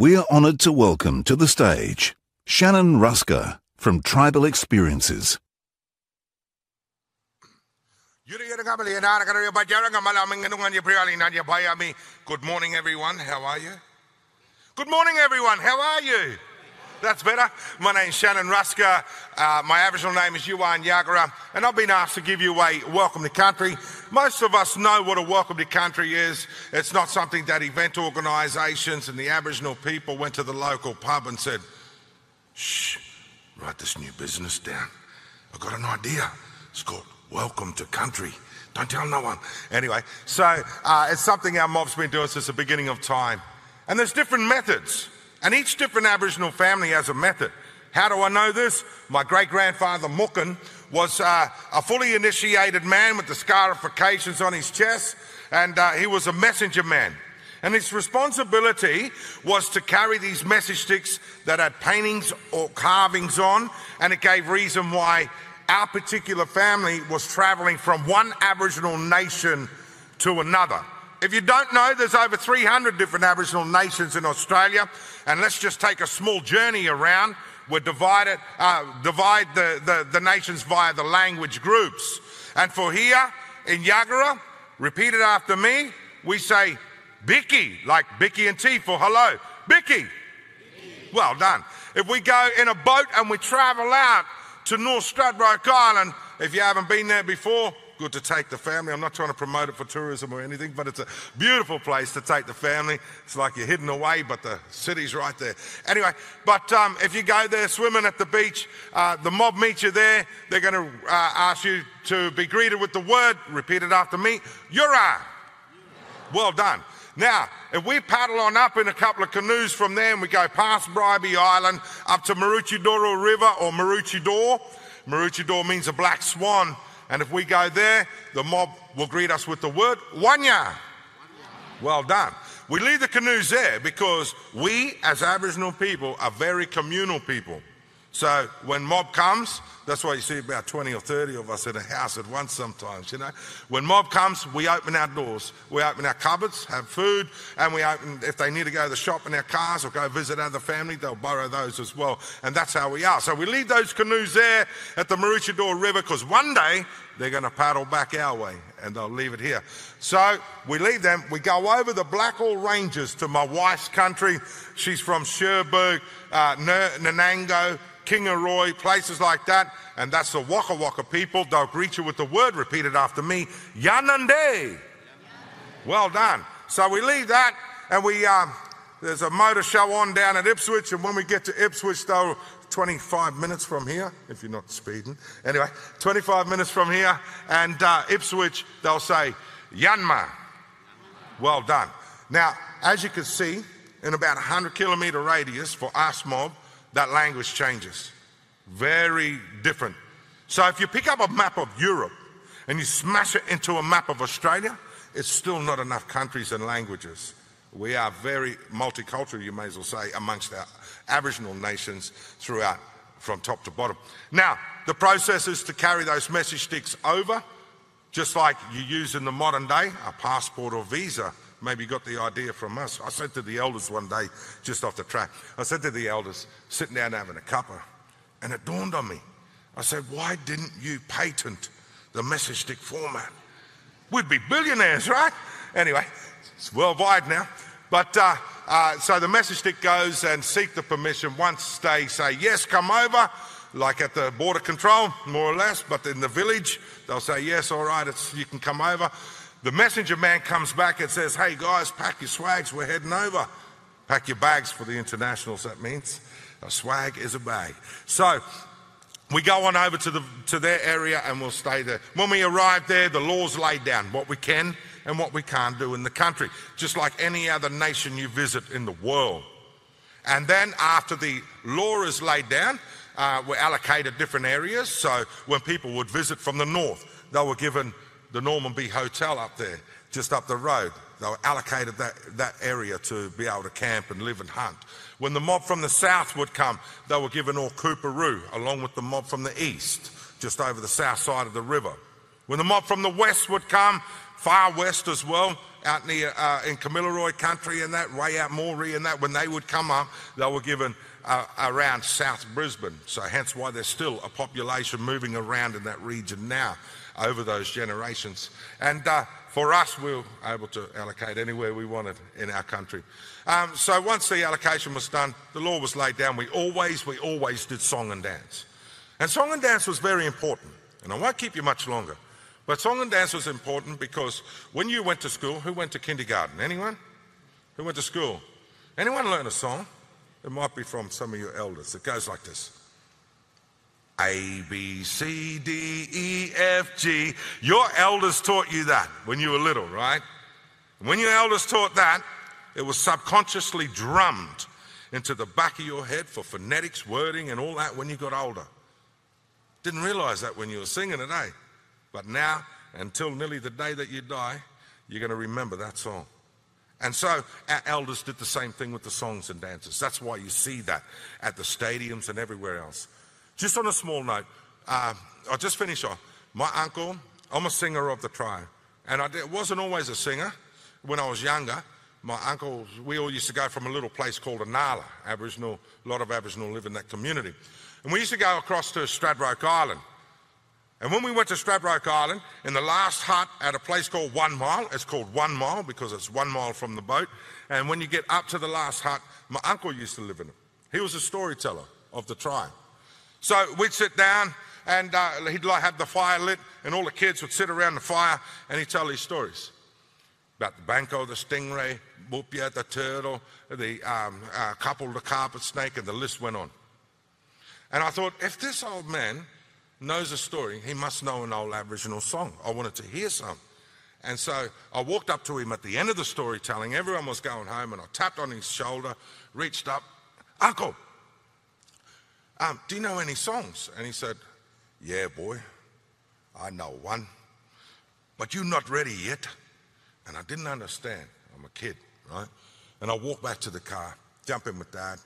We are honored to welcome to the stage Shannon Ruska from Tribal Experiences. So it's something our mob's been doing since the beginning of time, and there's different methods, and each different Aboriginal family has a method. How do I know this? My great-grandfather, Mokkan, was a fully initiated man with the scarifications on his chest, and he was a messenger man. And his responsibility was to carry these message sticks that had paintings or carvings on, and it gave reason why our particular family was traveling from one Aboriginal nation to another. If you don't know, there's over 300 different Aboriginal nations in Australia, and let's just take a small journey around. We divide the nations via the language groups. And for here in Jagera, repeat it after me, we say Biki, like Biki and Ti for hello. Biki. Well done. If we go in a boat and we travel out to North Stradbroke Island, if you haven't been there before, good to take the family. I'm not trying to promote it for tourism or anything, but it's a beautiful place to take the family. It's like you're hidden away, but the city's right there. Anyway, but if you go there swimming at the beach, the mob meets you there. They're going to ask you to be greeted with the word, repeat it after me, Yura. Well done. Now, if we paddle on up in a couple of canoes from there, and we go past Bribie Island up to Maroochydore River or Maroochydore, Maroochydore means a black swan, and if we go there, the mob will greet us with the word, Wanya. Well done. We leave the canoes there because we, as Aboriginal people, are very communal people. So when mob comes, that's why you see about 20 or 30 of us in a house at once sometimes, you know. When mob comes, we open our doors, we open our cupboards, have food, and we open, if they need to go to the shop in their cars or go visit other families, they'll borrow those as well. And that's how we are. So we leave those canoes there at the Maroochydore River because one day they're going to paddle back our way, and they'll leave it here. So we leave them, we go over the Blackall Ranges to my wife's country. She's from Cherbourg, Nanango, Kingaroy, places like that, and that's the Wakka Wakka people. They'll greet you with the word, repeat it after me, Yanande. Well done. So we leave that, and there's a motor show on down at Ipswich, and when we get to Ipswich, they'll 25 minutes from here, if you're not speeding. Anyway, 25 minutes from here and Ipswich, they'll say, "Yanma. Well done." Now, as you can see, in about a 100-kilometer radius for us mob, that language changes. Very different. If you pick up a map of Europe and you smash it into a map of Australia, it's still not enough countries and languages. We are very multicultural, you may as well say, amongst our Aboriginal nations throughout, from top to bottom. Now, the process is to carry those message sticks over, just like you use in the modern day, a passport or visa. Maybe you got the idea from us. I said to the elders one day, just off the track. I said to the elders, sitting down having a cuppa, and it dawned on me. I said, why didn't you patent the message stick format? We'd be billionaires, right? Anyway, it's worldwide now. But so the message stick goes and seek the permission. Once they say, yes, come over, like at the border control, more or less, but in the village, they'll say, yes, all right, you can come over. The messenger man comes back and says, hey guys, pack your swags, we're heading over. Pack your bags for the internationals, that means. A swag is a bag. So we go on over to their area and we'll stay there. When we arrive there, the law's laid down, what we can and what we can't do in the country, just like any other nation you visit in the world. And then after the law is laid down, we're allocated different areas. So when people would visit from the north, they were given the Normanby Hotel up there, just up the road. They were allocated that area to be able to camp and live and hunt. When the mob from the south would come, they were given all Coorparoo along with the mob from the east, just over the south side of the river. When the mob from the west would come, far west as well, out near in Kingaroy country and that, Nanango and that, when they would come up, they were given around South Brisbane. So hence why there's still a population moving around in that region now, over those generations. And for us, we're able to allocate anywhere we wanted in our country. So once the allocation was done, the law was laid down. We always did song and dance. And song and dance was very important. And I won't keep you much longer, but song and dance was important because when you went to school, who went to kindergarten? Anyone? Who went to school? Anyone learn a song? It might be from some of your elders. It goes like this. A, B, C, D, E, F, G. Your elders taught you that when you were little, right? When your elders taught that, it was subconsciously drummed into the back of your head for phonetics, wording, and all that when you got older. Didn't realize that when you were singing it, hey? But now, until nearly the day that you die, you're going to remember that song. And so our elders did the same thing with the songs and dances. That's why you see that at the stadiums and everywhere else. Just on a small note, I'll just finish off. My uncle, I'm a singer of the tribe. And I wasn't always a singer. When I was younger, my uncles, we all used to go from a little place called Inala. Aboriginal, a lot of Aboriginal lived in that community. And we used to go across to Stradbroke Island. And when we went to Stradbroke Island, in the last hut at a place called One Mile, it's called One Mile because it's one mile from the boat. And when you get up to the last hut, my uncle used to live in it. He was a storyteller of the tribe. So we'd sit down and he'd have the fire lit, and all the kids would sit around the fire and he'd tell these stories about the Bunku, the stingray, Wopyet, the turtle, the Kabul, the carpet snake, and the list went on. And I thought, if this old man knows a story, he must know an old Aboriginal song. I wanted to hear some. And so I walked up to him at the end of the storytelling. Everyone was going home, and I tapped on his shoulder, reached up, "Uncle, do you know any songs?" And he said, "Yeah, boy, I know one, but you're not ready yet." And I didn't understand. I'm a kid, right? And I walked back to the car, jump in with Dad,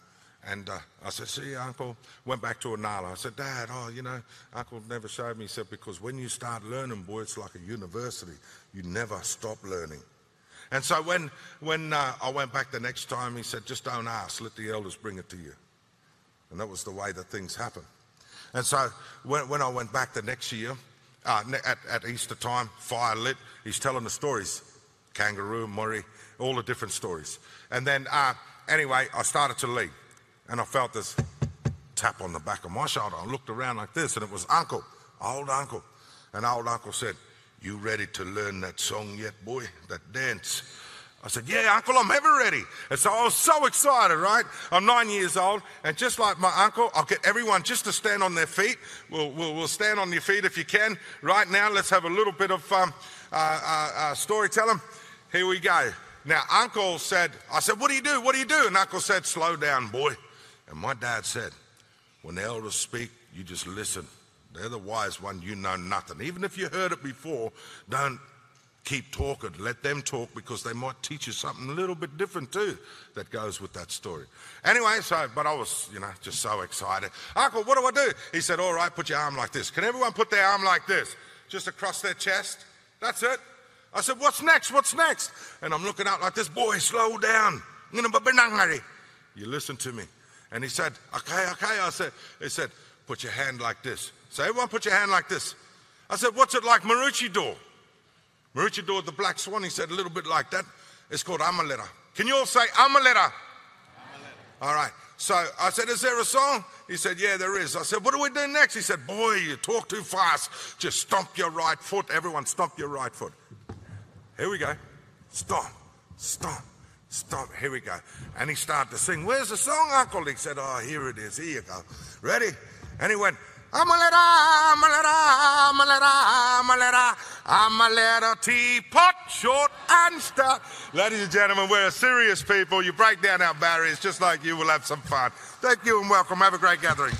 and I said, "See Uncle," went back to Inala. I said, "Dad, oh, you know, Uncle never showed me." He said, "Because when you start learning words like a university, you never stop learning." And so when I went back the next time, he said, "Just don't ask, let the elders bring it to you." And that was the way that things happened. And so when I went back the next year, at Easter time, fire lit, he's telling the stories, Kangaroo, Murri, all the different stories. And then anyway, I started to leave, and I felt this tap on the back of my shoulder. I looked around like this, and it was Uncle, old Uncle. And old Uncle said, "You ready to learn that song yet, boy, that dance?" I said, "Yeah, Uncle, I'm ever ready." And so I was so excited, right? I'm nine years old, and just like my uncle, I'll get everyone just to stand on their feet. We'll stand on your feet if you can. Right now, let's have a little bit of storytelling. Here we go. Now, Uncle said, I said, What do you do? What do you do? And Uncle said, Slow down, boy. And my dad said, When the elders speak, you just listen. They're the wise one, you know nothing. Even if you heard it before, don't keep talking. Let them talk because they might teach you something a little bit different too that goes with that story. Anyway, so, but I was, you know, just so excited. Uncle, what do I do? He said, All right, put your arm like this. Can everyone put their arm like this, just across their chest? That's it. I said, What's next? What's next? And I'm looking out like this. Boy, slow down. You listen to me. And he said, Okay, okay. I said, Put your hand like this. So everyone put your hand like this. I said, What's it like Maroochydore? Maroochydore, the black swan, he said, a little bit like that. It's called Amaleta. Can you all say Amaleta? All right. So I said, Is there a song? He said, Yeah, there is. I said, What are we doing next? He said, Boy, you talk too fast. Just stomp your right foot. Everyone, stomp your right foot. Here we go. Stomp, stomp, stomp. Here we go. And he started to sing. Where's the song, Uncle? He said, Oh, here it is. Here you go. Ready? And he went, Amaleta, Amaleta, Amaleta, Amaleta, Amaleta teapot short and stout. Ladies and gentlemen, we're serious people. You break down our barriers just like you will have some fun. Thank you and welcome. Have a great gathering.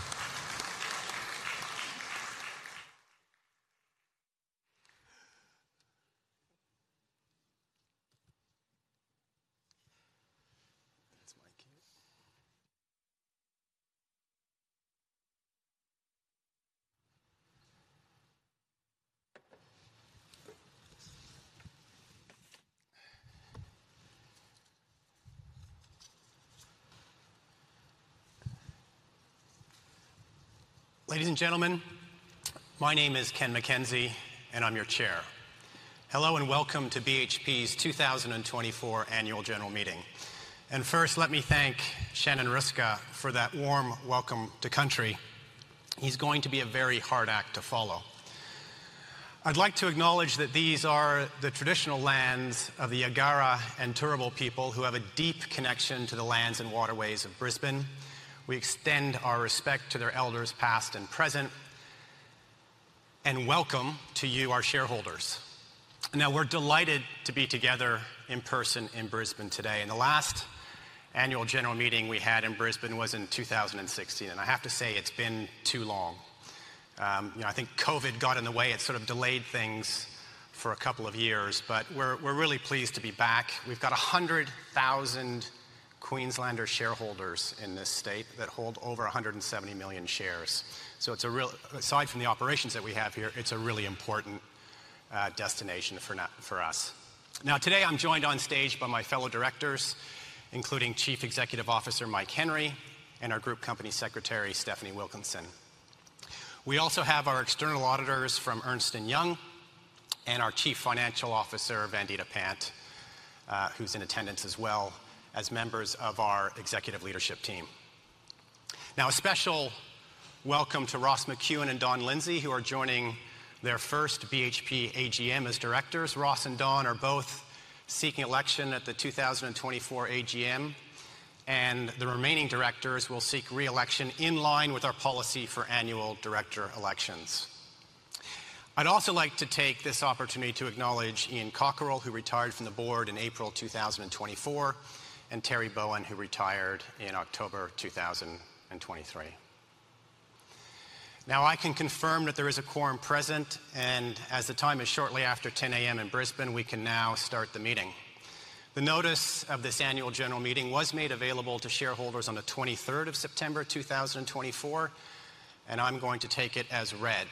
Ladies and gentlemen, my name is Ken MacKenzie, and I'm your Chair. Hello and welcome to BHP's 2024 Annual General Meeting. First, let me thank Shannon Ruska for that warm Welcome to Country. He is going to be a very hard act to follow. I would like to acknowledge that these are the traditional lands of the Jagera and Turrbal people who have a deep connection to the lands and waterways of Brisbane. We extend our respect to their elders past and present, and welcome to you, our shareholders. Now, we are delighted to be together in person in Brisbane today. The last Annual General Meeting we had in Brisbane was in 2016, and I have to say it's been too long. You know, I think COVID got in the way. It sort of delayed things for a couple of years, but we're really pleased to be back. We've got 100,000 Queenslander shareholders in this state that hold over 170 million shares. So it's a real, aside from the operations that we have here, it's a really important destination for us. Now, today I'm joined on stage by my fellow directors, including Chief Executive Officer Mike Henry and our Group Company Secretary Stefanie Wilkinson. We also have our external auditors from Ernst & Young and our Chief Financial Officer, Vandita Pant, who's in attendance as well as members of our executive leadership team. Now, a special welcome to Ross McEwan and Don Lindsay, who are joining their first BHP AGM as directors. Ross and Don are both seeking election at the 2024 AGM, and the remaining directors will seek re-election in line with our policy for annual director elections. I'd also like to take this opportunity to acknowledge Ian Cockerill, who retired from the board in April 2024, and Terry Bowen, who retired in October 2023. Now, I can confirm that there is a quorum present, and as the time is shortly after 10:00 A.M. in Brisbane, we can now start the meeting. The notice of this Annual General Meeting was made available to shareholders on the 23rd of September 2024, and I'm going to take it as read.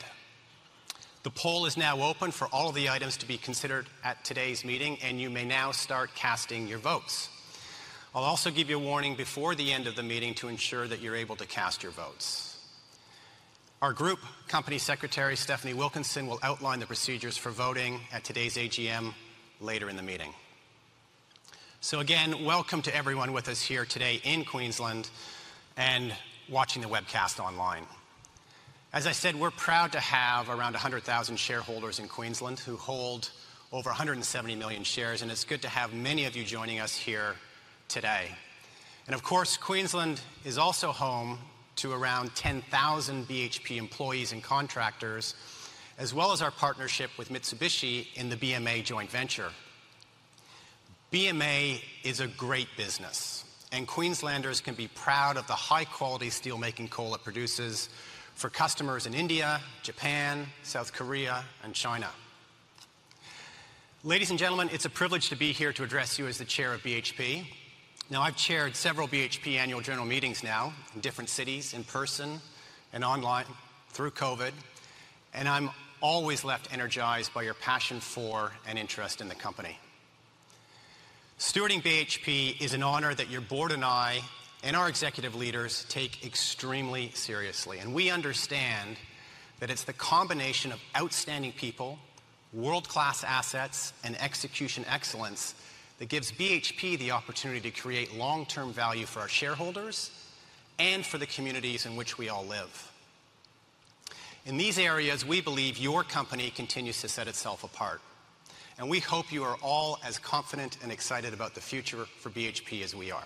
The poll is now open for all of the items to be considered at today's meeting, and you may now start casting your votes. I'll also give you a warning before the end of the meeting to ensure that you're able to cast your votes. Our Group Company Secretary, Stefanie Wilkinson, will outline the procedures for voting at today's AGM later in the meeting. So again, welcome to everyone with us here today in Queensland and watching the webcast online. As I said, we're proud to have around 100,000 shareholders in Queensland who hold over 170 million shares, and it's good to have many of you joining us here today, and of course, Queensland is also home to around 10,000 BHP employees and contractors, as well as our partnership with Mitsubishi in the BMA joint venture. BMA is a great business, and Queenslanders can be proud of the high-quality steelmaking coal it produces for customers in India, Japan, South Korea, and China. Ladies and gentlemen, it's a privilege to be here to address you as the Chair of BHP. Now, I've chaired several BHP Annual General Meetings now in different cities in person and online through COVID, and I'm always left energized by your passion for and interest in the company. Stewarding BHP is an honor that your board and I and our executive leaders take extremely seriously, and we understand that it's the combination of outstanding people, world-class assets, and execution excellence that gives BHP the opportunity to create long-term value for our shareholders and for the communities in which we all live. In these areas, we believe your company continues to set itself apart, and we hope you are all as confident and excited about the future for BHP as we are.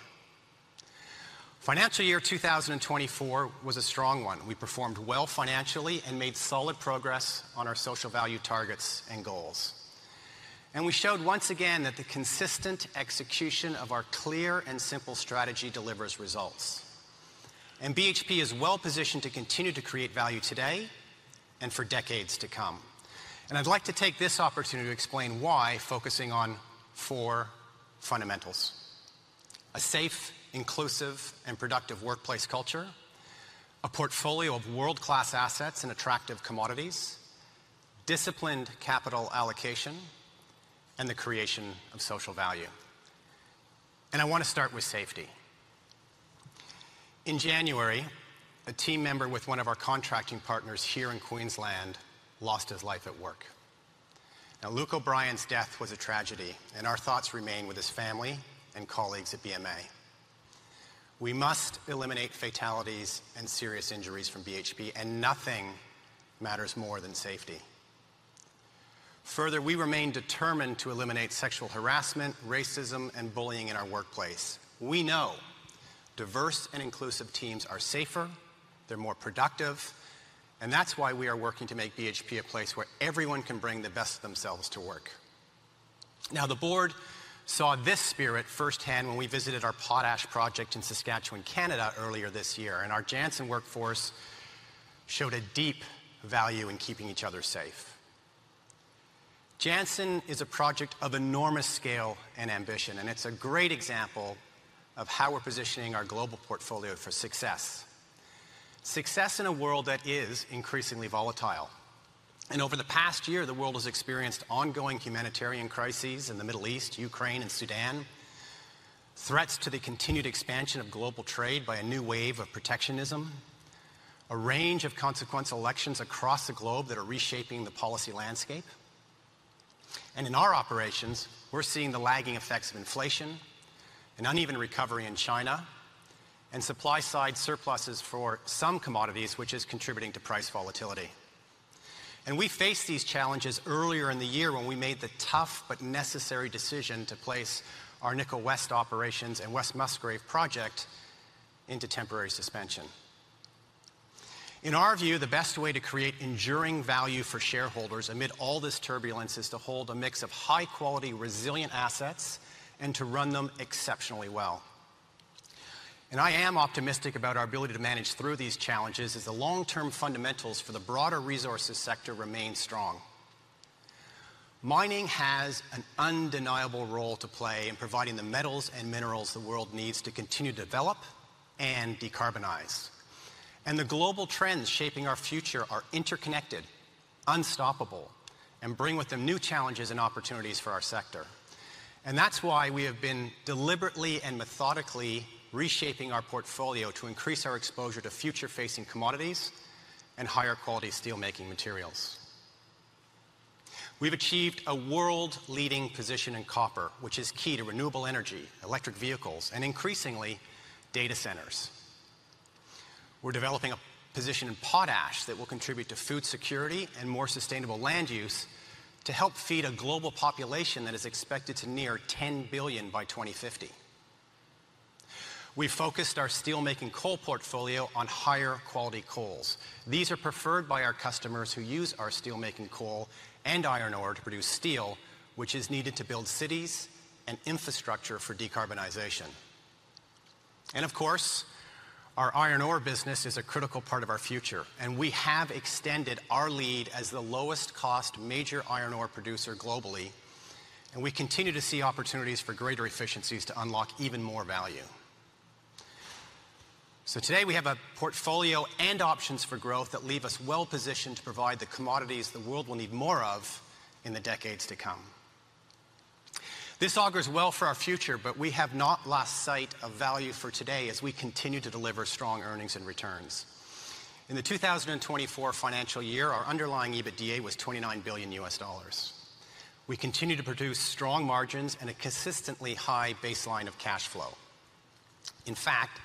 Financial year 2024 was a strong one. We performed well financially and made solid progress on our social value targets and goals. And we showed once again that the consistent execution of our clear and simple strategy delivers results. And BHP is well positioned to continue to create value today and for decades to come. I'd like to take this opportunity to explain why, focusing on four fundamentals: a safe, inclusive, and productive workplace culture, a portfolio of world-class assets and attractive commodities, disciplined capital allocation, and the creation of social value. I want to start with safety. In January, a team member with one of our contracting partners here in Queensland lost his life at work. Now, Luke O'Brien's death was a tragedy, and our thoughts remain with his family and colleagues at BMA. We must eliminate fatalities and serious injuries from BHP, and nothing matters more than safety. Further, we remain determined to eliminate sexual harassment, racism, and bullying in our workplace. We know diverse and inclusive teams are safer, they're more productive, and that's why we are working to make BHP a place where everyone can bring the best of themselves to work. Now, the board saw this spirit firsthand when we visited our potash project in Saskatchewan, Canada, earlier this year, and our Jansen workforce showed a deep value in keeping each other safe. Jansen is a project of enormous scale and ambition, and it's a great example of how we're positioning our global portfolio for success. Success in a world that is increasingly volatile. Over the past year, the world has experienced ongoing humanitarian crises in the Middle East, Ukraine, and Sudan, threats to the continued expansion of global trade by a new wave of protectionism, a range of consequential elections across the globe that are reshaping the policy landscape. In our operations, we're seeing the lagging effects of inflation, an uneven recovery in China, and supply-side surpluses for some commodities, which is contributing to price volatility. We faced these challenges earlier in the year when we made the tough but necessary decision to place our Nickel West operations and West Musgrave project into temporary suspension. In our view, the best way to create enduring value for shareholders amid all this turbulence is to hold a mix of high-quality, resilient assets and to run them exceptionally well. I am optimistic about our ability to manage through these challenges as the long-term fundamentals for the broader resources sector remain strong. Mining has an undeniable role to play in providing the metals and minerals the world needs to continue to develop and decarbonize. The global trends shaping our future are interconnected, unstoppable, and bring with them new challenges and opportunities for our sector. That's why we have been deliberately and methodically reshaping our portfolio to increase our exposure to future-facing commodities and higher-quality steelmaking materials. We've achieved a world-leading position in copper, which is key to renewable energy, electric vehicles, and increasingly data centers. We're developing a position in potash that will contribute to food security and more sustainable land use to help feed a global population that is expected to near 10 billion by 2050. We've focused our steelmaking coal portfolio on higher-quality coals. These are preferred by our customers who use our steelmaking coal and iron ore to produce steel, which is needed to build cities and infrastructure for decarbonization. And of course, our iron ore business is a critical part of our future, and we have extended our lead as the lowest-cost major iron ore producer globally, and we continue to see opportunities for greater efficiencies to unlock even more value. So today we have a portfolio and options for growth that leave us well-positioned to provide the commodities the world will need more of in the decades to come. This augers well for our future, but we have not lost sight of value for today as we continue to deliver strong earnings and returns. In the 2024 financial year, our underlying EBITDA was $29 billion. We continue to produce strong margins and a consistently high baseline of cash flow. In fact,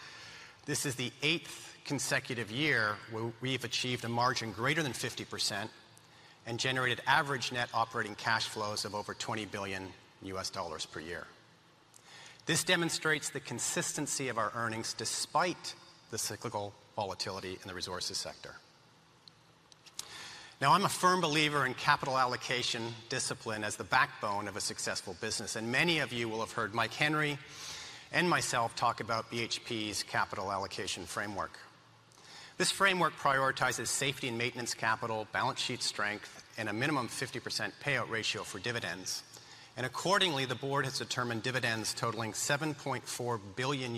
this is the eighth consecutive year where we've achieved a margin greater than 50% and generated average net operating cash flows of over $20 billion per year. This demonstrates the consistency of our earnings despite the cyclical volatility in the resources sector. Now, I'm a firm believer in capital allocation discipline as the backbone of a successful business, and many of you will have heard Mike Henry and myself talk about BHP's capital allocation framework. This framework prioritizes safety and maintenance capital, balance sheet strength, and a minimum 50% payout ratio for dividends, and accordingly, the board has determined dividends totaling $7.4 billion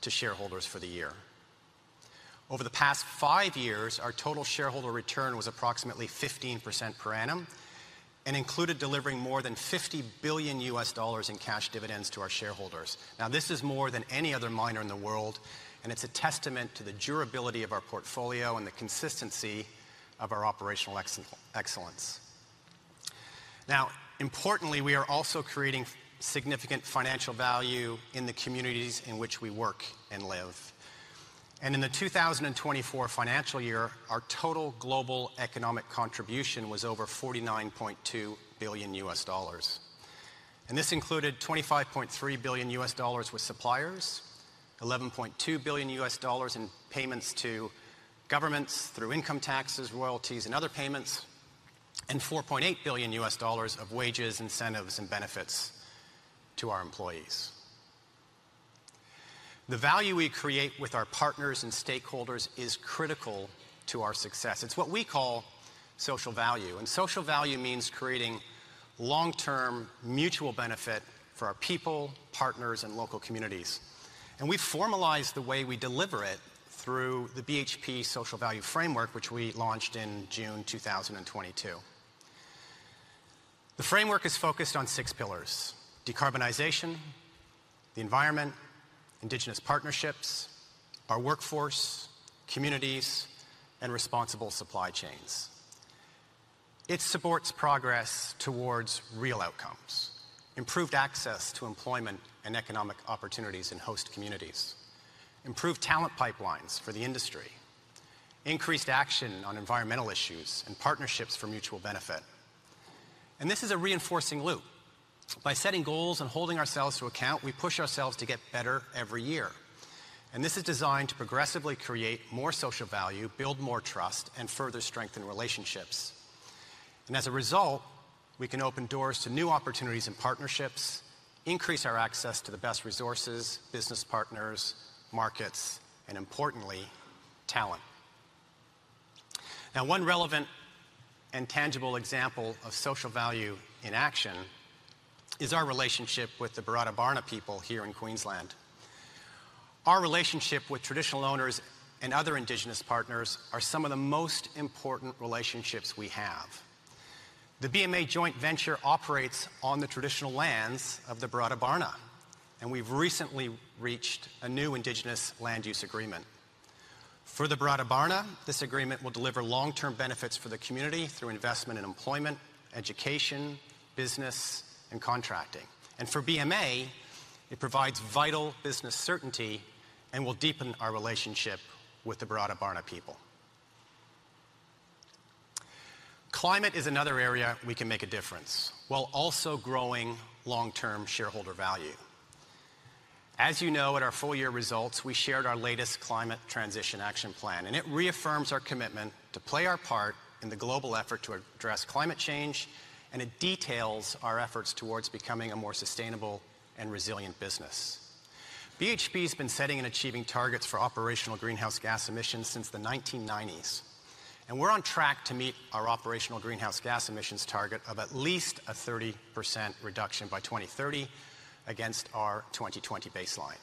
to shareholders for the year. Over the past five years, our total shareholder return was approximately 15% per annum and included delivering more than $50 billion in cash dividends to our shareholders. Now, this is more than any other miner in the world, and it's a testament to the durability of our portfolio and the consistency of our operational excellence. Now, importantly, we are also creating significant financial value in the communities in which we work and live. In the 2024 financial year, our total global economic contribution was over $49.2 billion. This included $25.3 billion with suppliers, $11.2 billion in payments to governments through income taxes, royalties, and other payments, and $4.8 billion of wages, incentives, and benefits to our employees. The value we create with our partners and stakeholders is critical to our success. It's what we call social value, and social value means creating long-term mutual benefit for our people, partners, and local communities. We've formalized the way we deliver it through the BHP Social Value Framework, which we launched in June 2022. The framework is focused on six pillars: decarbonization, the environment, Indigenous partnerships, our workforce, communities, and responsible supply chains. It supports progress towards real outcomes: improved access to employment and economic opportunities in host communities, improved talent pipelines for the industry, increased action on environmental issues, and partnerships for mutual benefit, and this is a reinforcing loop. By setting goals and holding ourselves to account, we push ourselves to get better every year, and this is designed to progressively create more social value, build more trust, and further strengthen relationships, and as a result, we can open doors to new opportunities and partnerships, increase our access to the best resources, business partners, markets, and importantly, talent. Now, one relevant and tangible example of social value in action is our relationship with the Barada Barna people here in Queensland. Our relationship with traditional owners and other Indigenous partners are some of the most important relationships we have. The BMA joint venture operates on the traditional lands of the Barada Barna, and we've recently reached a new Indigenous Land Use Agreement. For the Barada Barna, this agreement will deliver long-term benefits for the community through investment in employment, education, business, and contracting, and for BMA, it provides vital business certainty and will deepen our relationship with the Barada Barna people. Climate is another area we can make a difference while also growing long-term shareholder value. As you know at our full year results, we shared our latest climate transition action plan, and it reaffirms our commitment to play our part in the global effort to address climate change, and it details our efforts towards becoming a more sustainable and resilient business. BHP has been setting and achieving targets for operational greenhouse gas emissions since the 1990s, and we're on track to meet our operational greenhouse gas emissions target of at least a 30% reduction by 2030 against our 2020 baseline.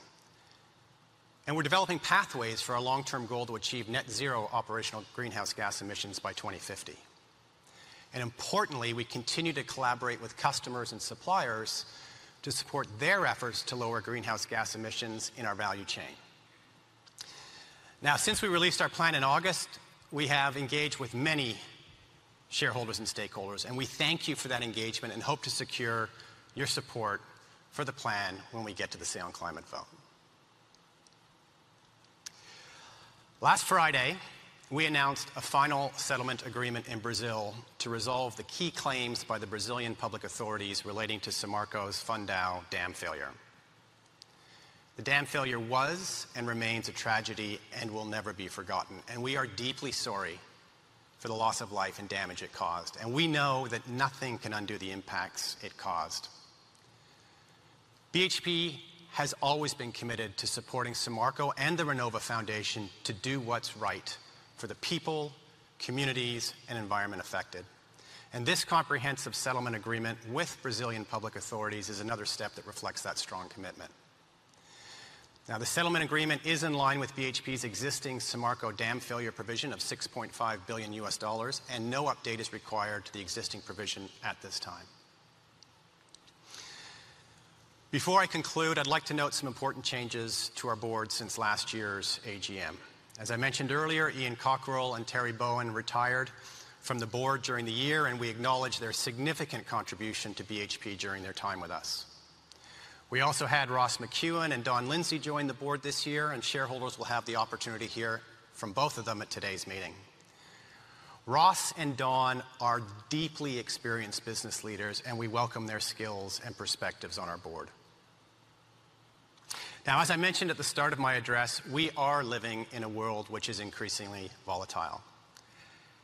We're developing pathways for our long-term goal to achieve net zero operational greenhouse gas emissions by 2050. Importantly, we continue to collaborate with customers and suppliers to support their efforts to lower greenhouse gas emissions in our value chain. Now, since we released our plan in August, we have engaged with many shareholders and stakeholders, and we thank you for that engagement and hope to secure your support for the plan when we get to the Shareholder Climate Vote. Last Friday, we announced a final settlement agreement in Brazil to resolve the key claims by the Brazilian public authorities relating to Samarco's Fundão dam failure. The dam failure was and remains a tragedy and will never be forgotten, and we are deeply sorry for the loss of life and damage it caused, and we know that nothing can undo the impacts it caused. BHP has always been committed to supporting Samarco and the Renova Foundation to do what's right for the people, communities, and environment affected, and this comprehensive settlement agreement with Brazilian public authorities is another step that reflects that strong commitment. Now, the settlement agreement is in line with BHP's existing Samarco dam failure provision of $6.5 billion, and no update is required to the existing provision at this time. Before I conclude, I'd like to note some important changes to our board since last year's AGM. As I mentioned earlier, Ian Cockerill and Terry Bowen retired from the board during the year, and we acknowledge their significant contribution to BHP during their time with us. We also had Ross McEwan and Don Lindsay join the board this year, and shareholders will have the opportunity to hear from both of them at today's meeting. Ross and Don are deeply experienced business leaders, and we welcome their skills and perspectives on our board. Now, as I mentioned at the start of my address, we are living in a world which is increasingly volatile.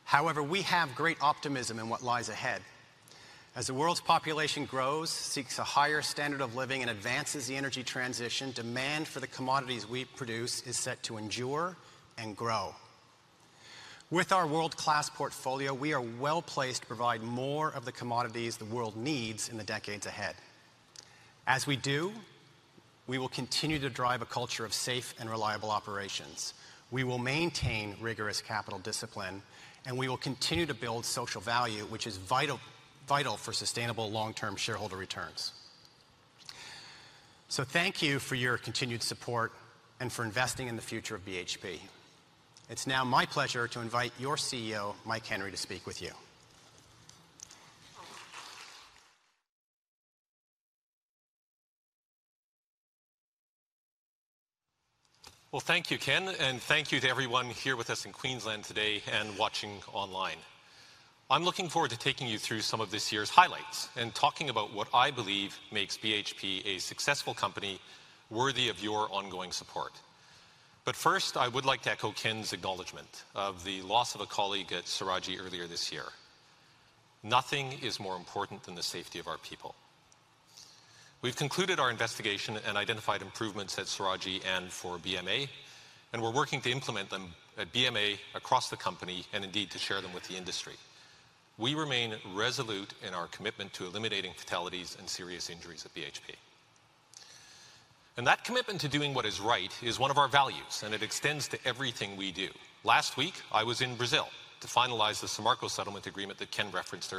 However, we have great optimism in what lies ahead. As the world's population grows, seeks a higher standard of living, and advances the energy transition, demand for the commodities we produce is set to endure and grow. With our world-class portfolio, we are well placed to provide more of the commodities the world needs in the decades ahead. As we do, we will continue to drive a culture of safe and reliable operations. We will maintain rigorous capital discipline, and we will continue to build social value, which is vital for sustainable long-term shareholder returns. So thank you for your continued support and for investing in the future of BHP. It's now my pleasure to invite your CEO, Mike Henry, to speak with you. Well, thank you, Ken, and thank you to everyone here with us in Queensland today and watching online. I'm looking forward to taking you through some of this year's highlights and talking about what I believe makes BHP a successful company worthy of your ongoing support. But first, I would like to echo Ken's acknowledgment of the loss of a colleague at Saraji earlier this year. Nothing is more important than the safety of our people. We've concluded our investigation and identified improvements at Saraji and for BMA, and we're working to implement them at BMA across the company and indeed to share them with the industry. We remain resolute in our commitment to eliminating fatalities and serious injuries at BHP. And that commitment to doing what is right is one of our values, and it extends to everything we do. Last week, I was in Brazil to finalize the Samarco settlement agreement that Ken referenced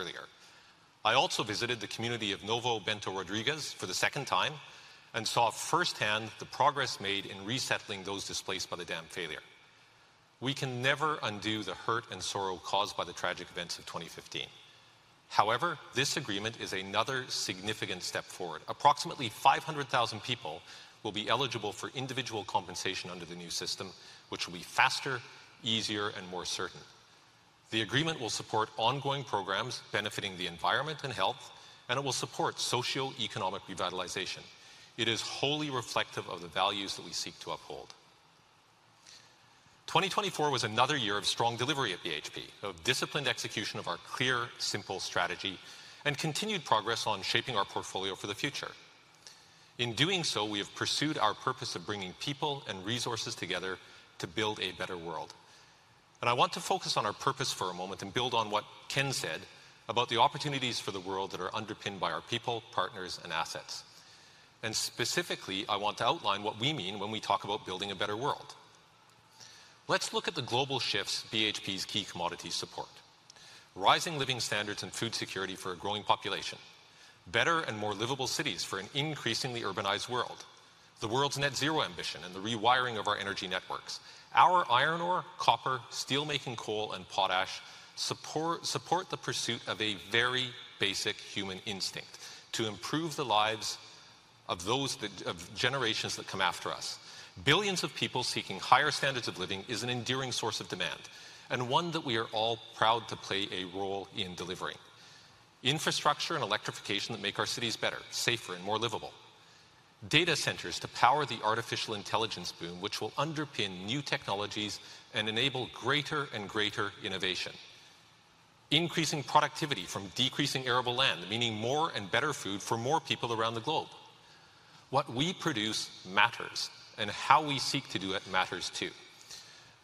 earlier. I also visited the community of Novo Bento Rodrigues for the second time and saw firsthand the progress made in resettling those displaced by the dam failure. We can never undo the hurt and sorrow caused by the tragic events of 2015. However, this agreement is another significant step forward. Approximately 500,000 people will be eligible for individual compensation under the new system, which will be faster, easier, and more certain. The agreement will support ongoing programs benefiting the environment and health, and it will support socioeconomic revitalization. It is wholly reflective of the values that we seek to uphold. 2024 was another year of strong delivery at BHP, of disciplined execution of our clear, simple strategy, and continued progress on shaping our portfolio for the future. In doing so, we have pursued our purpose of bringing people and resources together to build a better world. And I want to focus on our purpose for a moment and build on what Ken said about the opportunities for the world that are underpinned by our people, partners, and assets. And specifically, I want to outline what we mean when we talk about building a better world. Let's look at the global shifts BHP's key commodities support: rising living standards and food security for a growing population, better and more livable cities for an increasingly urbanized world, the world's Net Zero ambition, and the rewiring of our energy networks. Our iron ore, copper, steelmaking coal, and potash support the pursuit of a very basic human instinct: to improve the lives of those of generations that come after us. Billions of people seeking higher standards of living is an enduring source of demand and one that we are all proud to play a role in delivering. Infrastructure and electrification that make our cities better, safer, and more livable. Data centers to power the artificial intelligence boom, which will underpin new technologies and enable greater and greater innovation. Increasing productivity from decreasing arable land, meaning more and better food for more people around the globe. What we produce matters, and how we seek to do it matters too.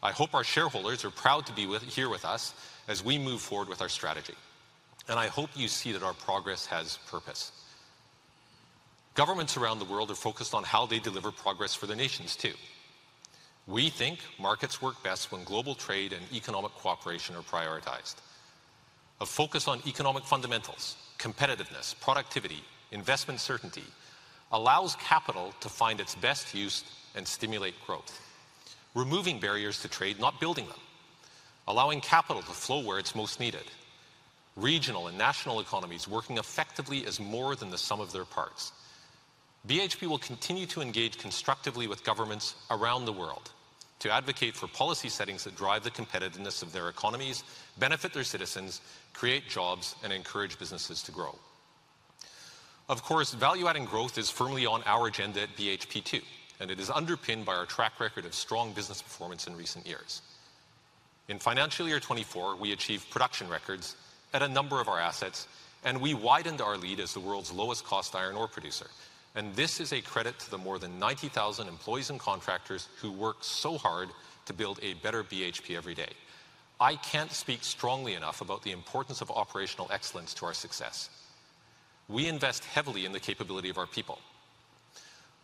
I hope our shareholders are proud to be here with us as we move forward with our strategy, and I hope you see that our progress has purpose. Governments around the world are focused on how they deliver progress for the nations too. We think markets work best when global trade and economic cooperation are prioritized. A focus on economic fundamentals, competitiveness, productivity, investment certainty allows capital to find its best use and stimulate growth. Removing barriers to trade, not building them, allowing capital to flow where it's most needed. Regional and national economies working effectively as more than the sum of their parts. BHP will continue to engage constructively with governments around the world to advocate for policy settings that drive the competitiveness of their economies, benefit their citizens, create jobs, and encourage businesses to grow. Of course, value-adding growth is firmly on our agenda at BHP too, and it is underpinned by our track record of strong business performance in recent years. In financial year 2024, we achieved production records at a number of our assets, and we widened our lead as the world's lowest-cost iron ore producer. This is a credit to the more than 90,000 employees and contractors who work so hard to build a better BHP every day. I can't speak strongly enough about the importance of operational excellence to our success. We invest heavily in the capability of our people.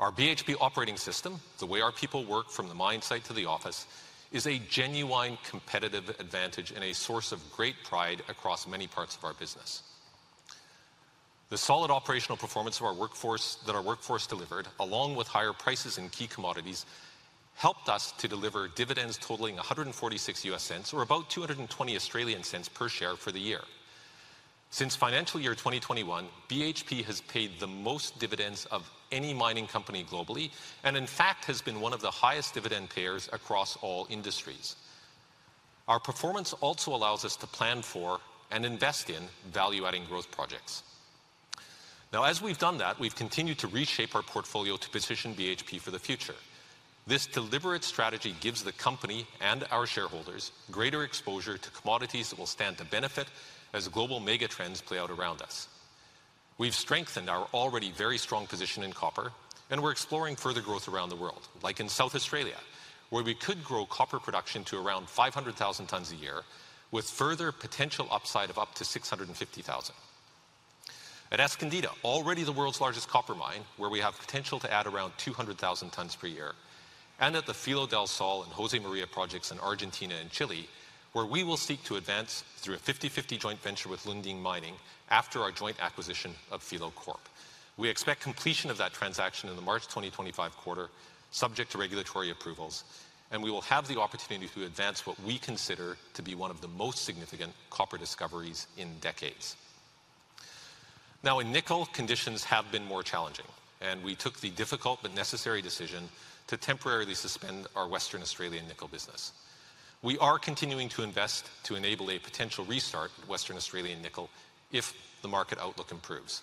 Our BHP Operating System, the way our people work from the mine site to the office, is a genuine competitive advantage and a source of great pride across many parts of our business. The solid operational performance of our workforce that our workforce delivered, along with higher prices in key commodities, helped us to deliver dividends totaling $1.46 or about 2.20 per share for the year. Since financial year 2021, BHP has paid the most dividends of any mining company globally and, in fact, has been one of the highest dividend payers across all industries. Our performance also allows us to plan for and invest in value-adding growth projects. Now, as we've done that, we've continued to reshape our portfolio to position BHP for the future. This deliberate strategy gives the company and our shareholders greater exposure to commodities that will stand to benefit as global mega trends play out around us. We've strengthened our already very strong position in copper, and we're exploring further growth around the world, like in South Australia, where we could grow copper production to around 500,000 tons a year, with further potential upside of up to 650,000. At Escondida, already the world's largest copper mine, where we have potential to add around 200,000 tons per year, and at the Filo del Sol and Josemaria projects in Argentina and Chile, where we will seek to advance through a 50/50 joint venture with Lundin Mining after our joint acquisition of Filo Corp. We expect completion of that transaction in the March 2025 quarter, subject to regulatory approvals, and we will have the opportunity to advance what we consider to be one of the most significant copper discoveries in decades. Now, in nickel, conditions have been more challenging, and we took the difficult but necessary decision to temporarily suspend our Western Australian nickel business. We are continuing to invest to enable a potential restart of Western Australian nickel if the market outlook improves,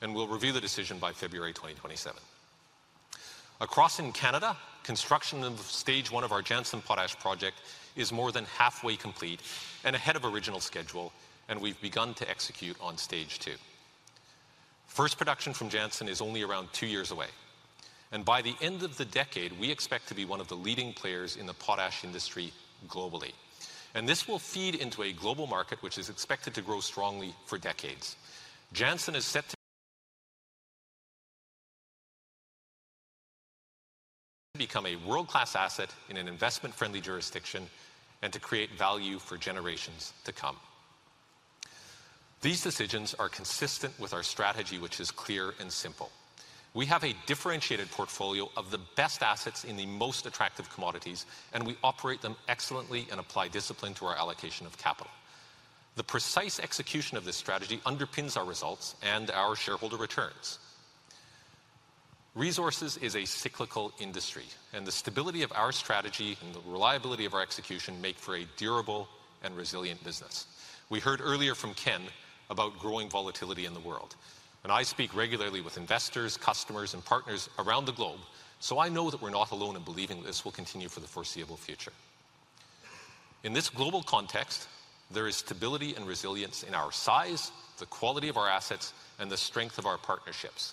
and we'll review the decision by February 2027. Across in Canada, construction of stage one of our Jansen potash project is more than halfway complete and ahead of original schedule, and we've begun to execute on stage two. First production from Jansen is only around two years away, and by the end of the decade, we expect to be one of the leading players in the potash industry globally, and this will feed into a global market which is expected to grow strongly for decades. Jansen is set to become a world-class asset in an investment-friendly jurisdiction and to create value for generations to come. These decisions are consistent with our strategy, which is clear and simple. We have a differentiated portfolio of the best assets in the most attractive commodities, and we operate them excellently and apply discipline to our allocation of capital. The precise execution of this strategy underpins our results and our shareholder returns. Resources is a cyclical industry, and the stability of our strategy and the reliability of our execution make for a durable and resilient business. We heard earlier from Ken about growing volatility in the world, and I speak regularly with investors, customers, and partners around the globe, so I know that we're not alone in believing this will continue for the foreseeable future. In this global context, there is stability and resilience in our size, the quality of our assets, and the strength of our partnerships.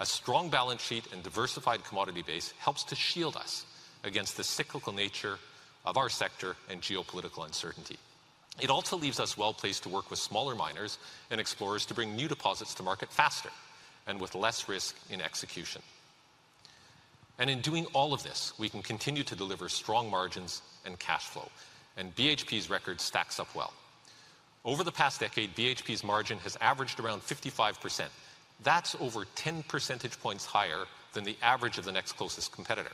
A strong balance sheet and diversified commodity base helps to shield us against the cyclical nature of our sector and geopolitical uncertainty. It also leaves us well placed to work with smaller miners and explorers to bring new deposits to market faster and with less risk in execution. In doing all of this, we can continue to deliver strong margins and cash flow, and BHP's record stacks up well. Over the past decade, BHP's margin has averaged around 55%. That's over 10 percentage points higher than the average of the next closest competitor.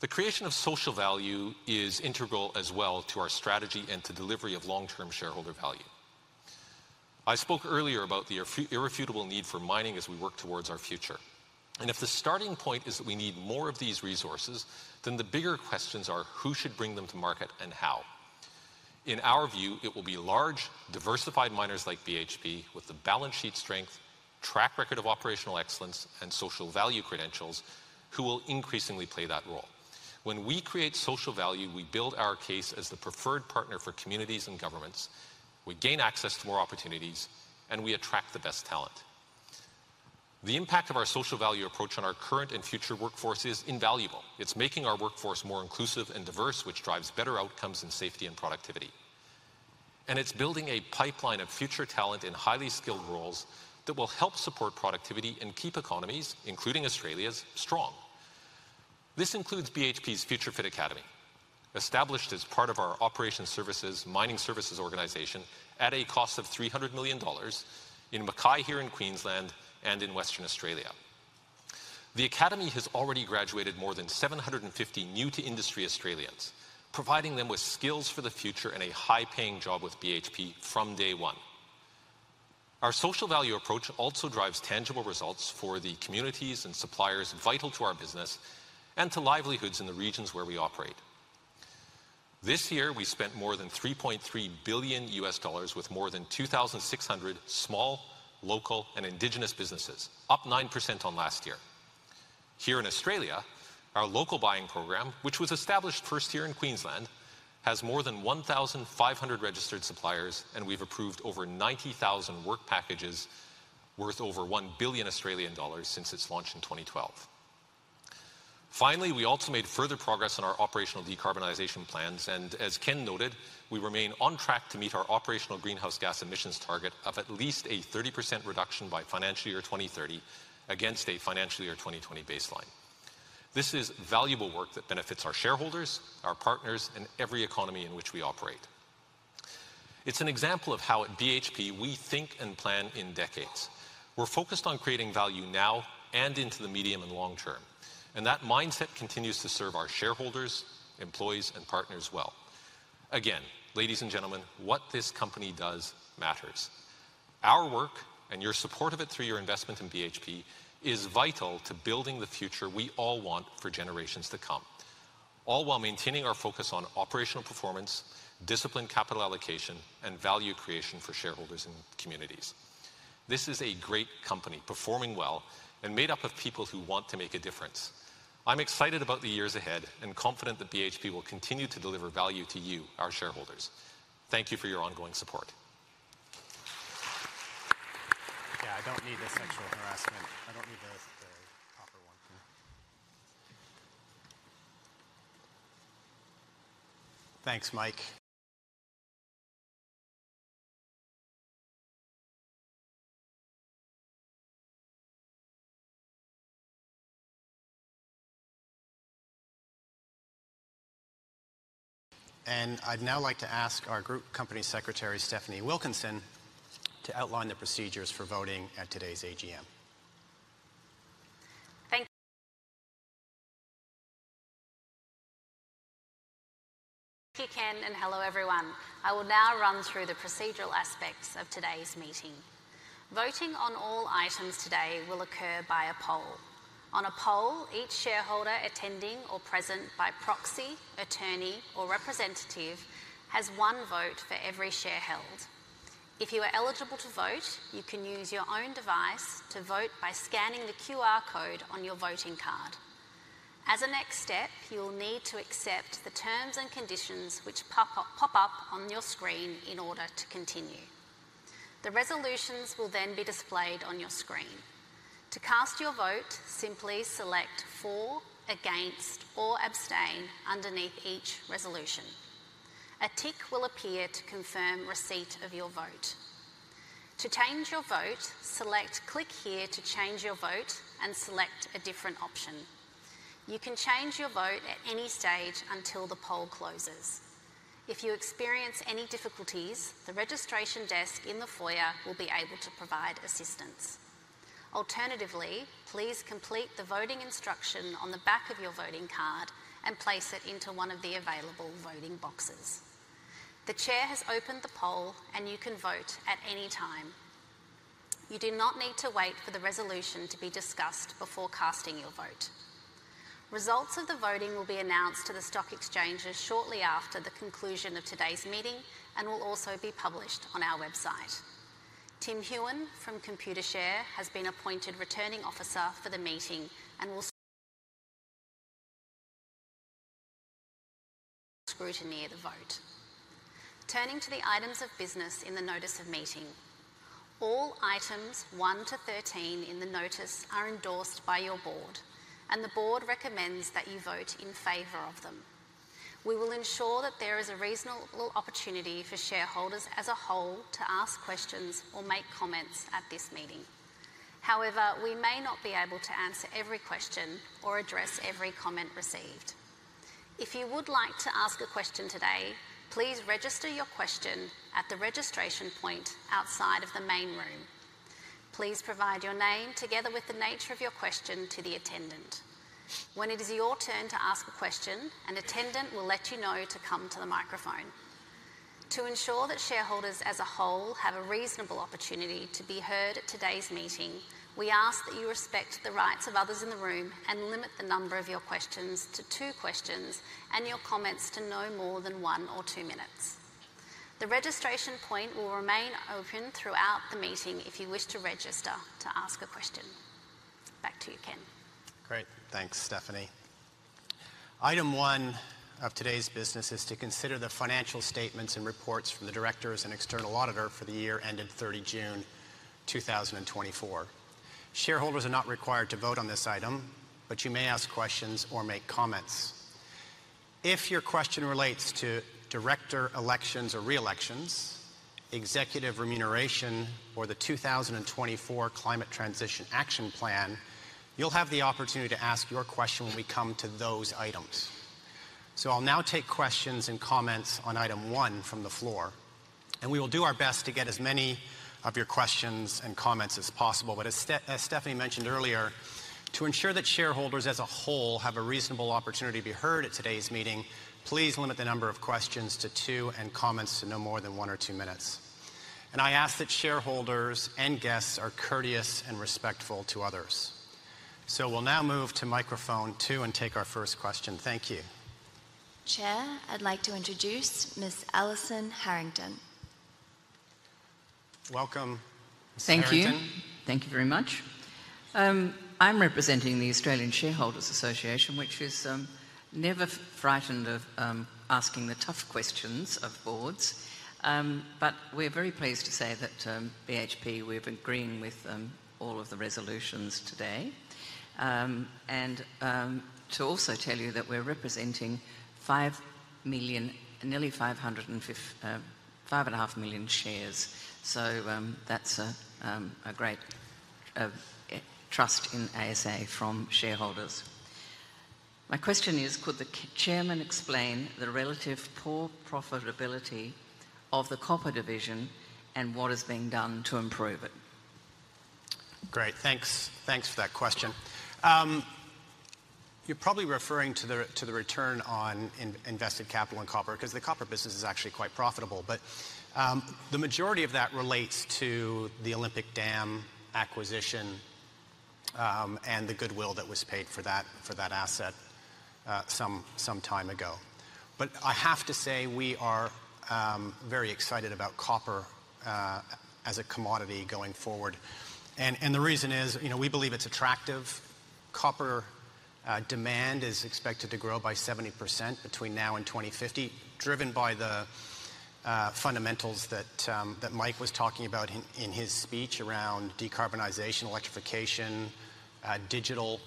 The creation of social value is integral as well to our strategy and to delivery of long-term shareholder value. I spoke earlier about the irrefutable need for mining as we work towards our future, and if the starting point is that we need more of these resources, then the bigger questions are who should bring them to market and how. In our view, it will be large, diversified miners like BHP with the balance sheet strength, track record of operational excellence, and social value credentials who will increasingly play that role. When we create social value, we build our case as the preferred partner for communities and governments. We gain access to more opportunities, and we attract the best talent. The impact of our social value approach on our current and future workforce is invaluable. It's making our workforce more inclusive and diverse, which drives better outcomes in safety and productivity, and it's building a pipeline of future talent in highly skilled roles that will help support productivity and keep economies, including Australia's, strong. This includes BHP's Future Fit Academy, established as part of our Operations Services mining services organization at a cost of $300 million in Mackay here in Queensland and in Western Australia. The Academy has already graduated more than 750 new-to-industry Australians, providing them with skills for the future and a high-paying job with BHP from day one. Our social value approach also drives tangible results for the communities and suppliers vital to our business and to livelihoods in the regions where we operate. This year, we spent more than $3.3 billion with more than 2,600 small, local, and Indigenous businesses, up 9% on last year. Here in Australia, our Local Buying Program, which was established first here in Queensland, has more than 1,500 registered suppliers, and we've approved over 90,000 work packages worth over 1 billion Australian dollars since its launch in 2012. Finally, we also made further progress on our operational decarbonization plans, and as Ken noted, we remain on track to meet our operational greenhouse gas emissions target of at least a 30% reduction by financial year 2030 against a financial year 2020 baseline. This is valuable work that benefits our shareholders, our partners, and every economy in which we operate. It's an example of how at BHP we think and plan in decades. We're focused on creating value now and into the medium and long term, and that mindset continues to serve our shareholders, employees, and partners well. Again, ladies and gentlemen, what this company does matters. Our work and your support of it through your investment in BHP is vital to building the future we all want for generations to come, all while maintaining our focus on operational performance, disciplined capital allocation, and value creation for shareholders and communities. This is a great company performing well and made up of people who want to make a difference. I'm excited about the years ahead and confident that BHP will continue to deliver value to you, our shareholders. Thank you for your ongoing support. Yeah, I don't need this actual harassment. I don't need the copper one. Thanks, Mike. I'd now like to ask our Group Company Secretary, Stefanie Wilkinson, to outline the procedures for voting at today's AGM. Thank you, Ken, and hello everyone. I will now run through the procedural aspects of today's meeting. Voting on all items today will occur by a poll. On a poll, each shareholder attending or present by proxy, attorney, or representative has one vote for every share held. If you are eligible to vote, you can use your own device to vote by scanning the QR code on your voting card. As a next step, you will need to accept the terms and conditions which pop up on your screen in order to continue. The resolutions will then be displayed on your screen. To cast your vote, simply select for, against, or abstain underneath each resolution. A tick will appear to confirm receipt of your vote. To change your vote, select click here to change your vote and select a different option. You can change your vote at any stage until the poll closes. If you experience any difficulties, the registration desk in the foyer will be able to provide assistance. Alternatively, please complete the voting instruction on the back of your voting card and place it into one of the available voting boxes. The chair has opened the poll, and you can vote at any time. You do not need to wait for the resolution to be discussed before casting your vote. Results of the voting will be announced to the stock exchanges shortly after the conclusion of today's meeting and will also be published on our website. Tim Hughan from Computershare has been appointed returning officer for the meeting and will scrutinize the vote. Turning to the items of business in the notice of meeting, all items one to 13 in the notice are endorsed by your board, and the board recommends that you vote in favor of them. We will ensure that there is a reasonable opportunity for shareholders as a whole to ask questions or make comments at this meeting. However, we may not be able to answer every question or address every comment received. If you would like to ask a question today, please register your question at the registration point outside of the main room. Please provide your name together with the nature of your question to the attendant. When it is your turn to ask a question, an attendant will let you know to come to the microphone. To ensure that shareholders as a whole have a reasonable opportunity to be heard at today's meeting, we ask that you respect the rights of others in the room and limit the number of your questions to two questions and your comments to no more than one or two minutes. The registration point will remain open throughout the meeting if you wish to register to ask a question. Back to you, Ken. Great. Thanks, Stefanie. Item one of today's business is to consider the financial statements and reports from the directors and external auditor for the year ended 30 June 2024. Shareholders are not required to vote on this item, but you may ask questions or make comments. If your question relates to director elections or reelections, executive remuneration, or the 2024 Climate Transition Action Plan, you'll have the opportunity to ask your question when we come to those items. So I'll now take questions and comments on item one from the floor, and we will do our best to get as many of your questions and comments as possible. But as Stefanie mentioned earlier, to ensure that shareholders as a whole have a reasonable opportunity to be heard at today's meeting, please limit the number of questions to two and comments to no more than one or two minutes. And I ask that shareholders and guests are courteous and respectful to others. So we'll now move to microphone two and take our first question. Thank you. Chair, I'd like to introduce Ms. Alison Harrington. Welcome, Ms. Harrington. Thank you. Thank you very much. I'm representing the Australian Shareholders' Association, which is never frightened of asking the tough questions of boards. But we're very pleased to say that BHP, we've agreed with all of the resolutions today. And to also tell you that we're representing 5 million, nearly 5 and a half million shares. So that's a great trust in ASA from shareholders. My question is, could the Chairman explain the relative poor profitability of the copper division and what is being done to improve it? Great. Thanks for that question. You're probably referring to the return on invested capital in copper because the copper business is actually quite profitable, but the majority of that relates to the Olympic Dam acquisition and the goodwill that was paid for that asset some time ago. But I have to say we are very excited about copper as a commodity going forward. And the reason is we believe it's attractive. Copper demand is expected to grow by 70% between now and 2050, driven by the fundamentals that Mike was talking about in his speech around decarbonization, electrification, digital.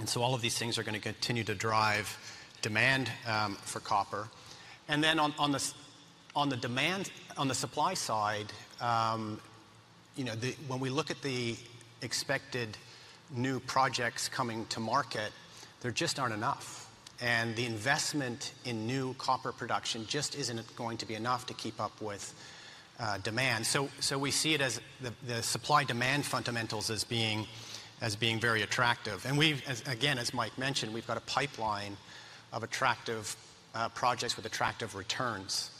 And so all of these things are going to continue to drive demand for copper. And then on the demand, on the supply side, when we look at the expected new projects coming to market, there just aren't enough. And the investment in new copper production just isn't going to be enough to keep up with demand. So we see it as the supply-demand fundamentals as being very attractive. And again, as Mike mentioned, we've got a pipeline of attractive projects with attractive returns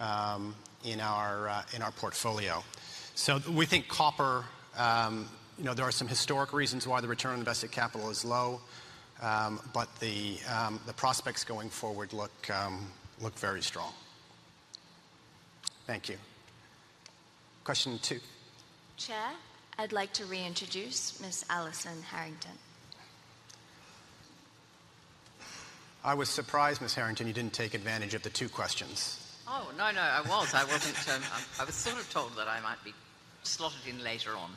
in our portfolio. So we think copper, there are some historic reasons why the return on invested capital is low, but the prospects going forward look very strong. Thank you. Question two. Chair, I'd like to reintroduce Ms. Alison Harrington. I was surprised, Ms. Harrington, you didn't take advantage of the two questions. Oh, no, no, I was. I wasn't. I was sort of told that I might be slotted in later on.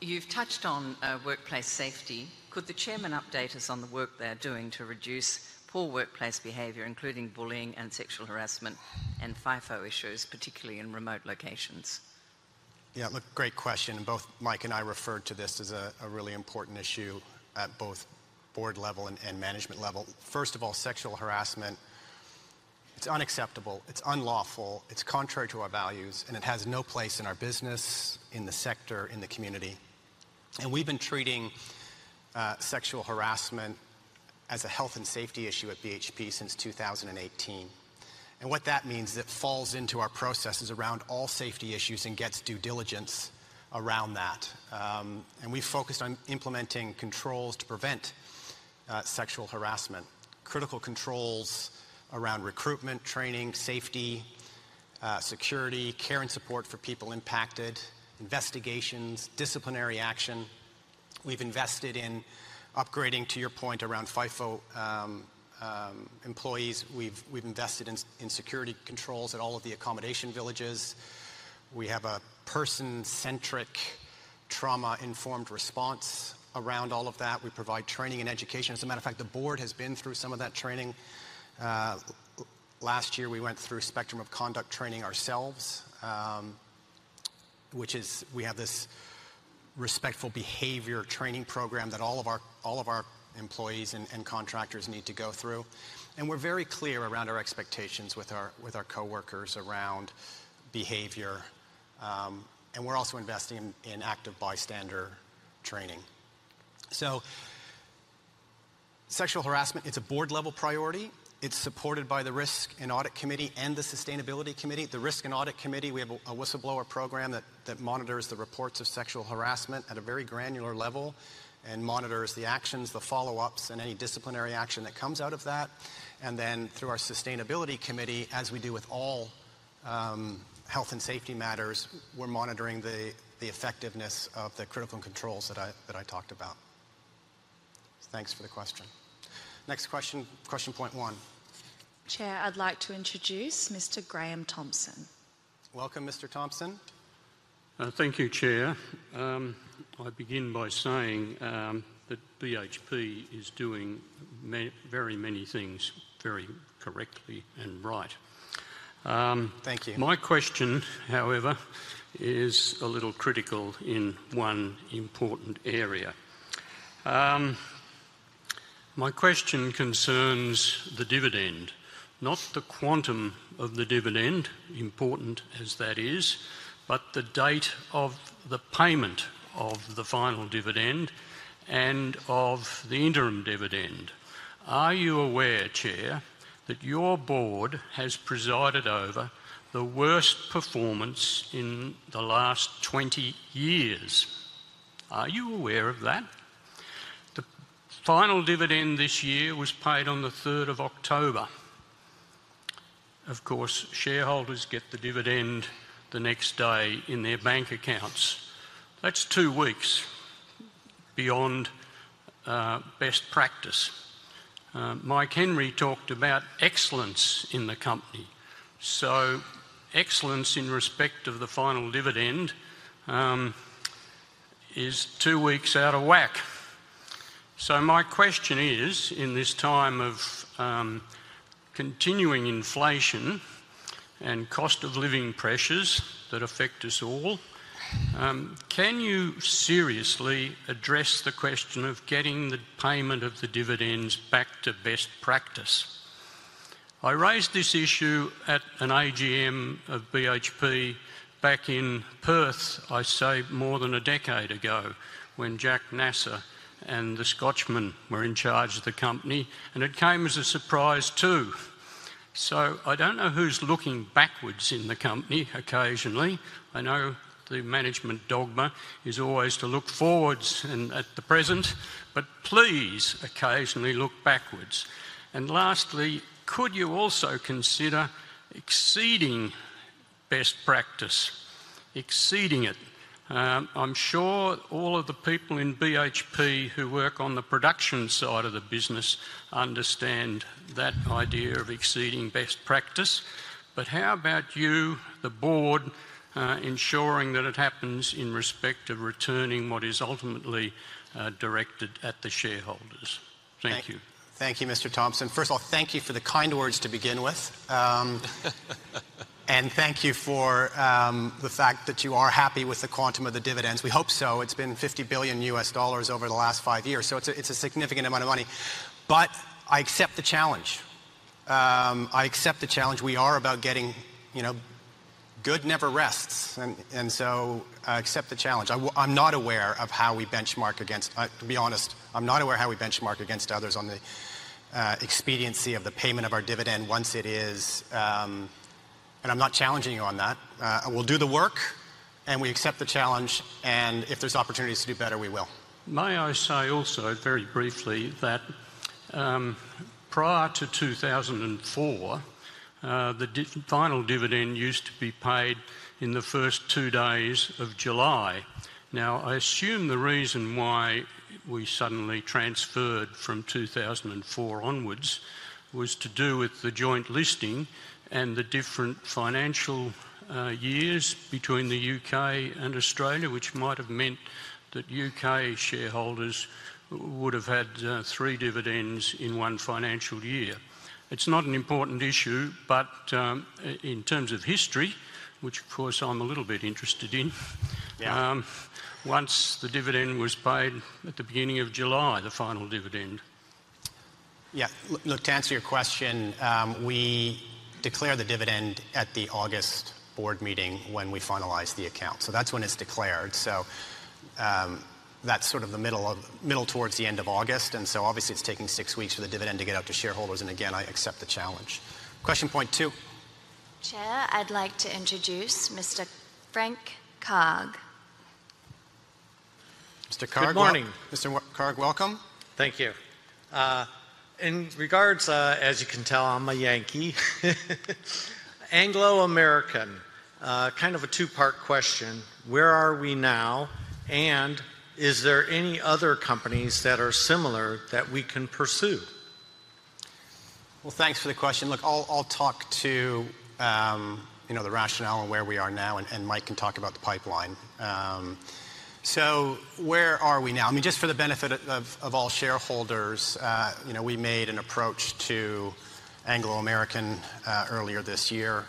You've touched on workplace safety. Could the chairman update us on the work they're doing to reduce poor workplace behavior, including bullying and sexual harassment and FIFO issues, particularly in remote locations? Yeah, look, great question. Both Mike and I referred to this as a really important issue at both board level and management level. First of all, sexual harassment, it's unacceptable. It's unlawful. It's contrary to our values, and it has no place in our business, in the sector, in the community. And we've been treating sexual harassment as a health and safety issue at BHP since 2018. And what that means is it falls into our processes around all safety issues and gets due diligence around that. And we've focused on implementing controls to prevent sexual harassment, critical controls around recruitment, training, safety, security, care and support for people impacted, investigations, disciplinary action. We've invested in upgrading, to your point, around FIFO employees. We've invested in security controls at all of the accommodation villages. We have a person-centric trauma-informed response around all of that. We provide training and education. As a matter of fact, the board has been through some of that training. Last year, we went through Spectrum of Conduct training ourselves, which is we have this respectful behavior training program that all of our employees and contractors need to go through. And we're very clear around our expectations with our coworkers around behavior. And we're also investing in active bystander training. So sexual harassment, it's a board-level priority. It's supported by the Risk and Audit Committee and the Sustainability Committee. The Risk and Audit Committee, we have a whistleblower program that monitors the reports of sexual harassment at a very granular level and monitors the actions, the follow-ups, and any disciplinary action that comes out of that. And then through our Sustainability Committee, as we do with all health and safety matters, we're monitoring the effectiveness of the critical controls that I talked about. Thanks for the question. Next question, Question Point One. Chair, I'd like to introduce Mr. Graham Thompson. Welcome, Mr. Thompson. Thank you, Chair. I begin by saying that BHP is doing very many things very correctly and right. Thank you. My question, however, is a little critical in one important area. My question concerns the dividend, not the quantum of the dividend, important as that is, but the date of the payment of the final dividend and of the interim dividend. Are you aware, Chair, that your board has presided over the worst performance in the last 20 years? Are you aware of that? The final dividend this year was paid on the 3rd of October. Of course, shareholders get the dividend the next day in their bank accounts. That's two weeks beyond best practice. Mike Henry talked about excellence in the company. So excellence in respect of the final dividend is two weeks out of whack. So my question is, in this time of continuing inflation and cost of living pressures that affect us all, can you seriously address the question of getting the payment of the dividends back to best practice? I raised this issue at an AGM of BHP back in Perth, I say, more than a decade ago when Jacques Nasser and the Scotsman were in charge of the company, and it came as a surprise too. I don't know who's looking backwards in the company occasionally. I know the management dogma is always to look forwards and at the present, but please occasionally look backwards. And lastly, could you also consider exceeding best practice, exceeding it? I'm sure all of the people in BHP who work on the production side of the business understand that idea of exceeding best practice. But how about you, the board, ensuring that it happens in respect of returning what is ultimately directed at the shareholders? Thank you. Thank you, Mr. Thompson. First of all, thank you for the kind words to begin with. And thank you for the fact that you are happy with the quantum of the dividends. We hope so. It's been $50 billion over the last five years. So it's a significant amount of money. But I accept the challenge. I accept the challenge. We are about getting good, never rests. And so I accept the challenge. I'm not aware of how we benchmark against, to be honest. I'm not aware how we benchmark against others on the expediency of the payment of our dividend once it is. And I'm not challenging you on that. We'll do the work and we accept the challenge. And if there's opportunities to do better, we will. May I say also very briefly that prior to 2004, the final dividend used to be paid in the first two days of July. Now, I assume the reason why we suddenly transferred from 2004 onwards was to do with the joint listing and the different financial years between the U.K. and Australia, which might have meant that U.K. shareholders would have had three dividends in one financial year. It's not an important issue, but in terms of history, which of course I'm a little bit interested in, once the dividend was paid at the beginning of July, the final dividend. Yeah. Look, to answer your question, we declare the dividend at the August board meeting when we finalize the account. So that's when it's declared. So that's sort of the middle towards the end of August. And so obviously it's taking six weeks for the dividend to get out to shareholders. And again, I accept the challenge. Question Point Two. Chair, I'd like to introduce Mr. Frank Karg. Mr. Karg. Good morning. Mr. Karg, welcome. Thank you. In regards, as you can tell, I'm a Yankee. Anglo American, kind of a two-part question. Where are we now? And is there any other companies that are similar that we can pursue? Well, thanks for the question. Look, I'll talk to the rationale on where we are now, and Mike can talk about the pipeline. So where are we now? I mean, just for the benefit of all shareholders, we made an approach to Anglo American earlier this year.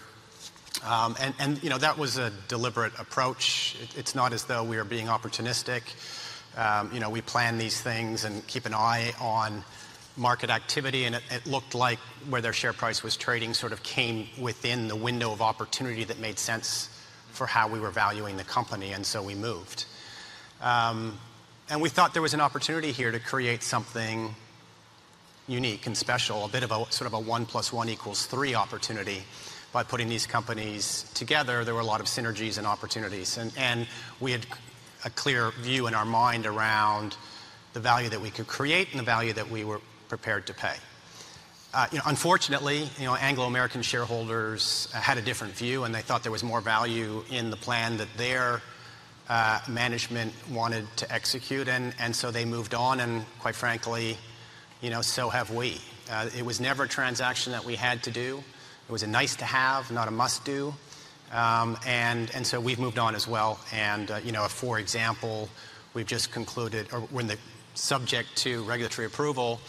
And that was a deliberate approach. It's not as though we are being opportunistic. We plan these things and keep an eye on market activity. And it looked like where their share price was trading sort of came within the window of opportunity that made sense for how we were valuing the company. And so we moved. And we thought there was an opportunity here to create something unique and special, a bit of a sort of a one plus one equals three opportunity by putting these companies together. There were a lot of synergies and opportunities. And we had a clear view in our mind around the value that we could create and the value that we were prepared to pay. Unfortunately, Anglo American shareholders had a different view, and they thought there was more value in the plan that their management wanted to execute. And so they moved on. And quite frankly, so have we. It was never a transaction that we had to do. It was a nice to have, not a must-do. And so we've moved on as well. And for example, we've just concluded, or we're subject to regulatory approval.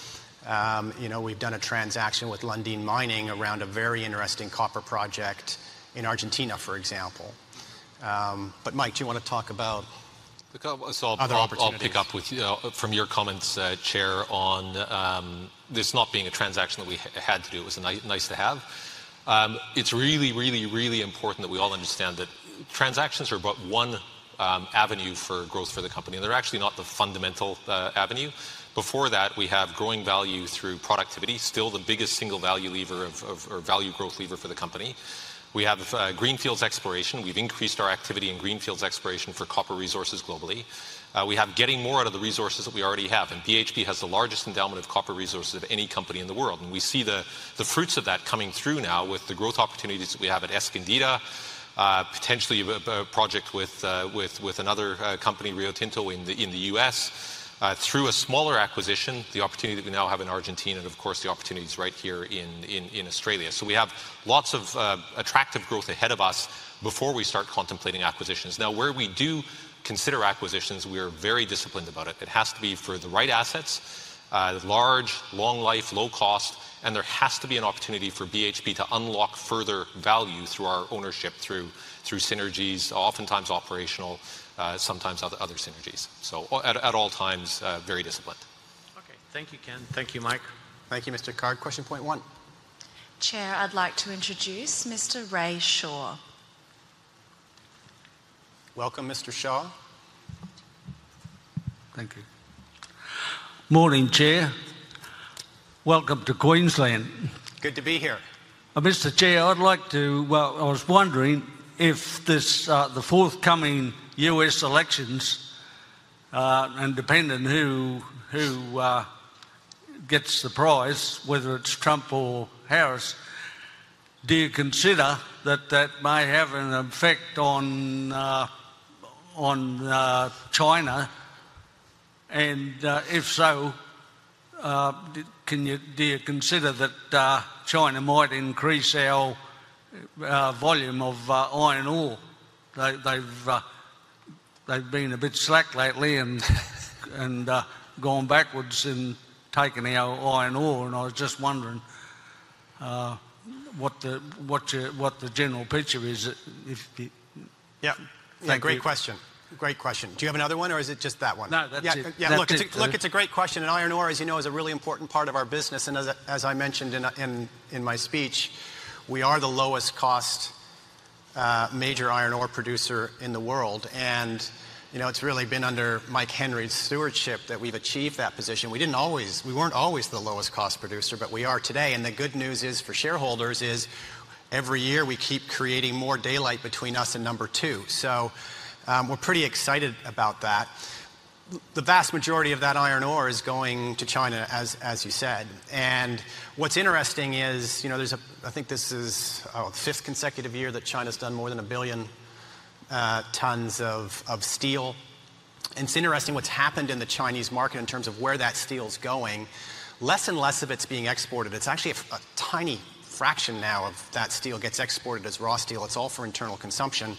We've done a transaction with Lundin Mining around a very interesting copper project in Argentina, for example. But Mike, do you want to talk about. I'll pick up from your comments, Chair, on this not being a transaction that we had to do. It was a nice to have. It's really, really, really important that we all understand that transactions are but one avenue for growth for the company. And they're actually not the fundamental avenue. Before that, we have growing value through productivity, still the biggest single value lever or value growth lever for the company. We have greenfields exploration. We've increased our activity in greenfields exploration for copper resources globally. We have getting more out of the resources that we already have. And BHP has the largest endowment of copper resources of any company in the world. And we see the fruits of that coming through now with the growth opportunities that we have at Escondida, potentially a project with another company, Rio Tinto in the U.S., through a smaller acquisition, the opportunity that we now have in Argentina, and of course, the opportunities right here in Australia. So we have lots of attractive growth ahead of us before we start contemplating acquisitions. Now, where we do consider acquisitions, we are very disciplined about it. It has to be for the right assets, large, long life, low cost. And there has to be an opportunity for BHP to unlock further value through our ownership, through synergies, oftentimes operational, sometimes other synergies. So at all times, very disciplined. Okay. Thank you, Ken. Thank you, Mike. Thank you, Mr. Karg. Question Point One. Chair, I'd like to introduce Mr. Ray Shaw. Welcome, Mr. Shaw. Thank you. Morning, Chair. Welcome to Queensland. Good to be here. Mr. Chair, I'd like to, well, I was wondering if the forthcoming U.S. elections, and depending who gets the prize, whether it's Trump or Harris, do you consider that that might have an effect on China? And if so, do you consider that China might increase our volume of iron ore? They've been a bit slack lately and gone backwards in taking our iron ore. And I was just wondering what the general picture is. Yeah. Great question. Great question. Do you have another one, or is it just that one? Yeah. Look, it's a great question. And iron ore, as you know, is a really important part of our business. And as I mentioned in my speech, we are the lowest cost major iron ore producer in the world. And it's really been under Mike Henry's stewardship that we've achieved that position. We weren't always the lowest cost producer, but we are today. And the good news for shareholders is every year we keep creating more daylight between us and number two. So we're pretty excited about that. The vast majority of that iron ore is going to China, as you said, and what's interesting is there's, I think this is the fifth consecutive year that China's done more than a billion tons of steel, and it's interesting what's happened in the Chinese market in terms of where that steel's going. Less and less of it's being exported. It's actually a tiny fraction now of that steel gets exported as raw steel. It's all for internal consumption,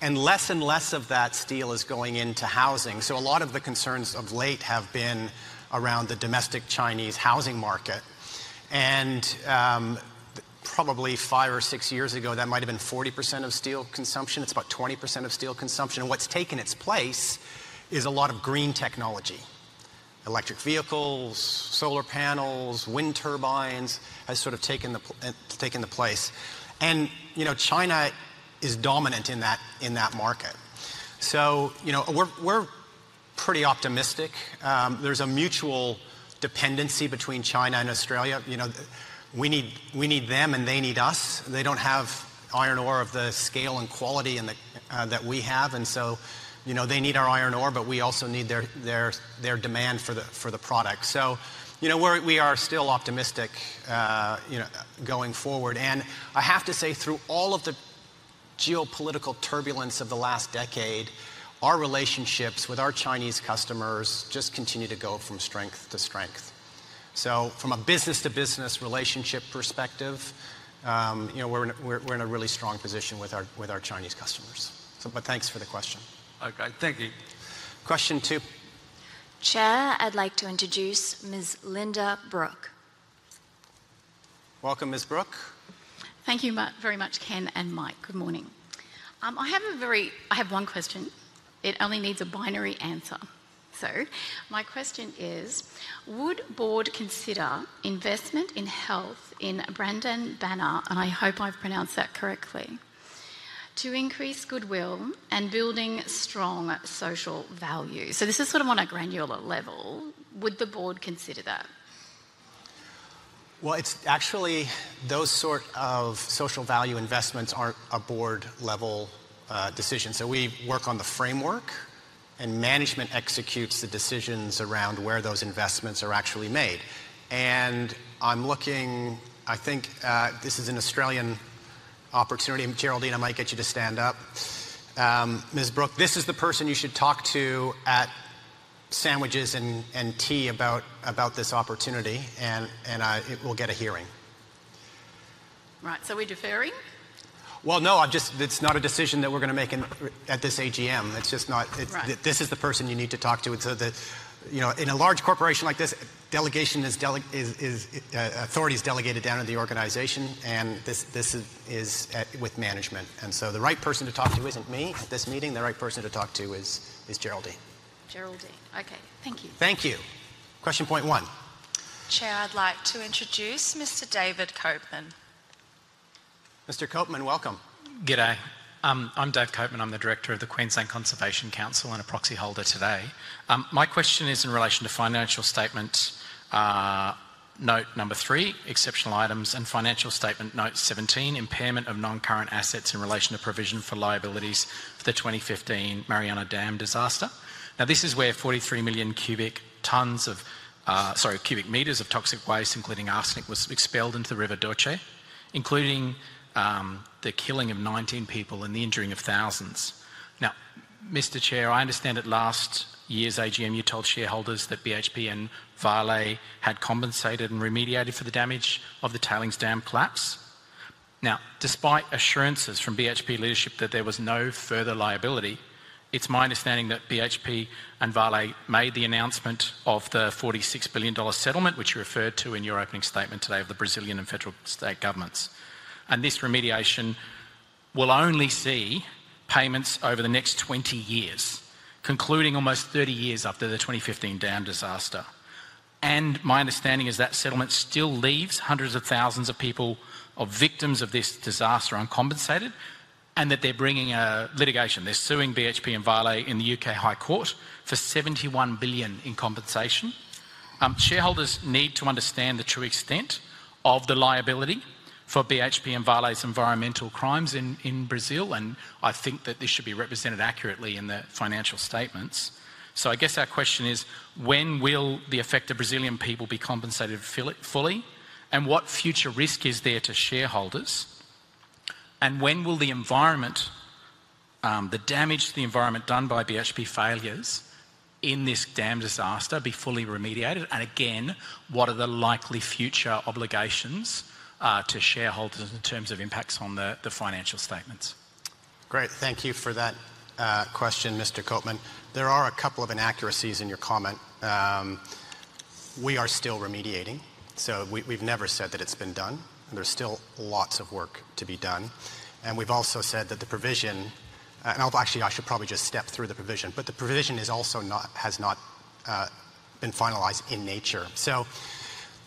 and less and less of that steel is going into housing. So a lot of the concerns of late have been around the domestic Chinese housing market, and probably five or six years ago, that might have been 40% of steel consumption. It's about 20% of steel consumption, and what's taken its place is a lot of green technology, electric vehicles, solar panels, wind turbines has sort of taken the place. China is dominant in that market. So we're pretty optimistic. There's a mutual dependency between China and Australia. We need them, and they need us. They don't have iron ore of the scale and quality that we have. And so they need our iron ore, but we also need their demand for the product. So we are still optimistic going forward. And I have to say, through all of the geopolitical turbulence of the last decade, our relationships with our Chinese customers just continue to go from strength to strength. So from a business-to-business relationship perspective, we're in a really strong position with our Chinese customers. But thanks for the question. Okay. Thank you. Question two. Chair, I'd like to introduce Ms. Linda Brooke. Welcome, Ms. Brooke. Thank you very much, Ken and Mike. Good morning. I have one question. It only needs a binary answer. So my question is, would the board consider investment in health in Barada Barna, and I hope I've pronounced that correctly, to increase goodwill and building strong social value? So this is sort of on a granular level. Would the board consider that? Well, actually, those sort of social value investments are board-level decisions. So we work on the framework, and management executes the decisions around where those investments are actually made. And I'm looking, I think this is an Australian opportunity. Geraldine, I might get you to stand up. Ms. Brooke, this is the person you should talk to at sandwiches and tea about this opportunity. And we'll get a hearing. Right. So we do funding? Well, no, it's not a decision that we're going to make at this AGM. This is the person you need to talk to. In a large corporation like this, authority is delegated down to the organization, and this is with management. And so the right person to talk to isn't me at this meeting. The right person to talk to is Geraldine. Geraldine. Okay. Thank you. Thank you. Question Point One. Chair, I'd like to introduce Mr. David Copeman. Mr. Copeman, welcome. G'day. I'm Dave Copeman. I'm the director of the Queensland Conservation Council and a proxy holder today. My question is in relation to financial statement note number three, exceptional items, and financial statement note 17, impairment of non-current assets in relation to provision for liabilities for the 2015 Mariana Dam disaster. Now, this is where 43 million cubic meters of toxic waste, including arsenic, was expelled into the Rio Doce, including the killing of 19 people and the injuring of thousands. Now, Mr. Chair, I understand at last year's AGM, you told shareholders that BHP and Vale had compensated and remediated for the damage of the Tailings Dam collapse. Now, despite assurances from BHP leadership that there was no further liability, it's my understanding that BHP and Vale made the announcement of the $46 billion settlement, which you referred to in your opening statement today of the Brazilian and federal state governments. And this remediation will only see payments over the next 20 years, concluding almost 30 years after the 2015 dam disaster. And my understanding is that settlement still leaves hundreds of thousands of people, of victims of this disaster, uncompensated, and that they're bringing a litigation. They're suing BHP and Vale in the U.K. High Court for $71 billion in compensation. Shareholders need to understand the true extent of the liability for BHP and Vale's environmental crimes in Brazil. I think that this should be represented accurately in the financial statements. So I guess our question is, when will the affected Brazilian people be compensated fully, and what future risk is there to shareholders, and when will the damage to the environment done by BHP failures in this dam disaster be fully remediated? And again, what are the likely future obligations to shareholders in terms of impacts on the financial statements? Great. Thank you for that question, Mr. Copeman. There are a couple of inaccuracies in your comment. We are still remediating. So we've never said that it's been done. There's still lots of work to be done. And we've also said that the provision, and actually, I should probably just step through the provision, but the provision has not been finalized in nature. So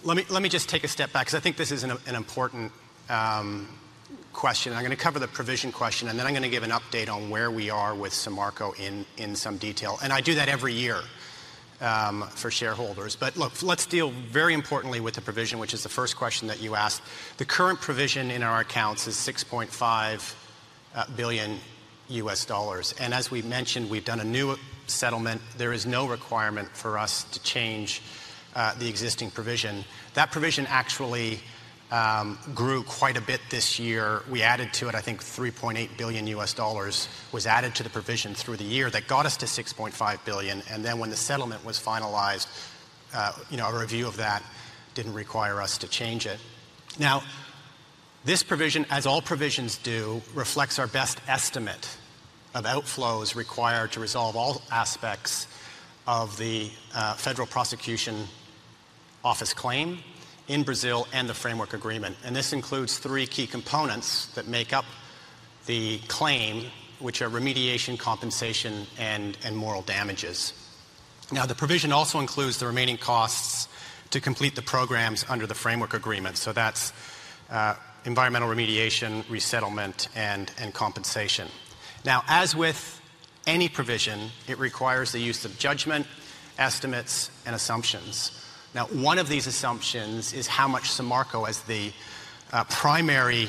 let me just take a step back because I think this is an important question. I'm going to cover the provision question, and then I'm going to give an update on where we are with Samarco in some detail. And I do that every year for shareholders. But look, let's deal very importantly with the provision, which is the first question that you asked. The current provision in our accounts is $6.5 billion. And as we've mentioned, we've done a new settlement. There is no requirement for us to change the existing provision. That provision actually grew quite a bit this year. We added to it, I think, $3.8 billion was added to the provision through the year that got us to $6.5 billion. And then when the settlement was finalized, a review of that didn't require us to change it. Now, this provision, as all provisions do, reflects our best estimate of outflows required to resolve all aspects of the Federal Prosecution Office claim in Brazil and the Framework Agreement. This includes three key components that make up the claim, which are remediation, compensation, and moral damages. Now, the provision also includes the remaining costs to complete the programs under the Framework Agreement. That's environmental remediation, resettlement, and compensation. Now, as with any provision, it requires the use of judgment, estimates, and assumptions. Now, one of these assumptions is how much Samarco, as the primary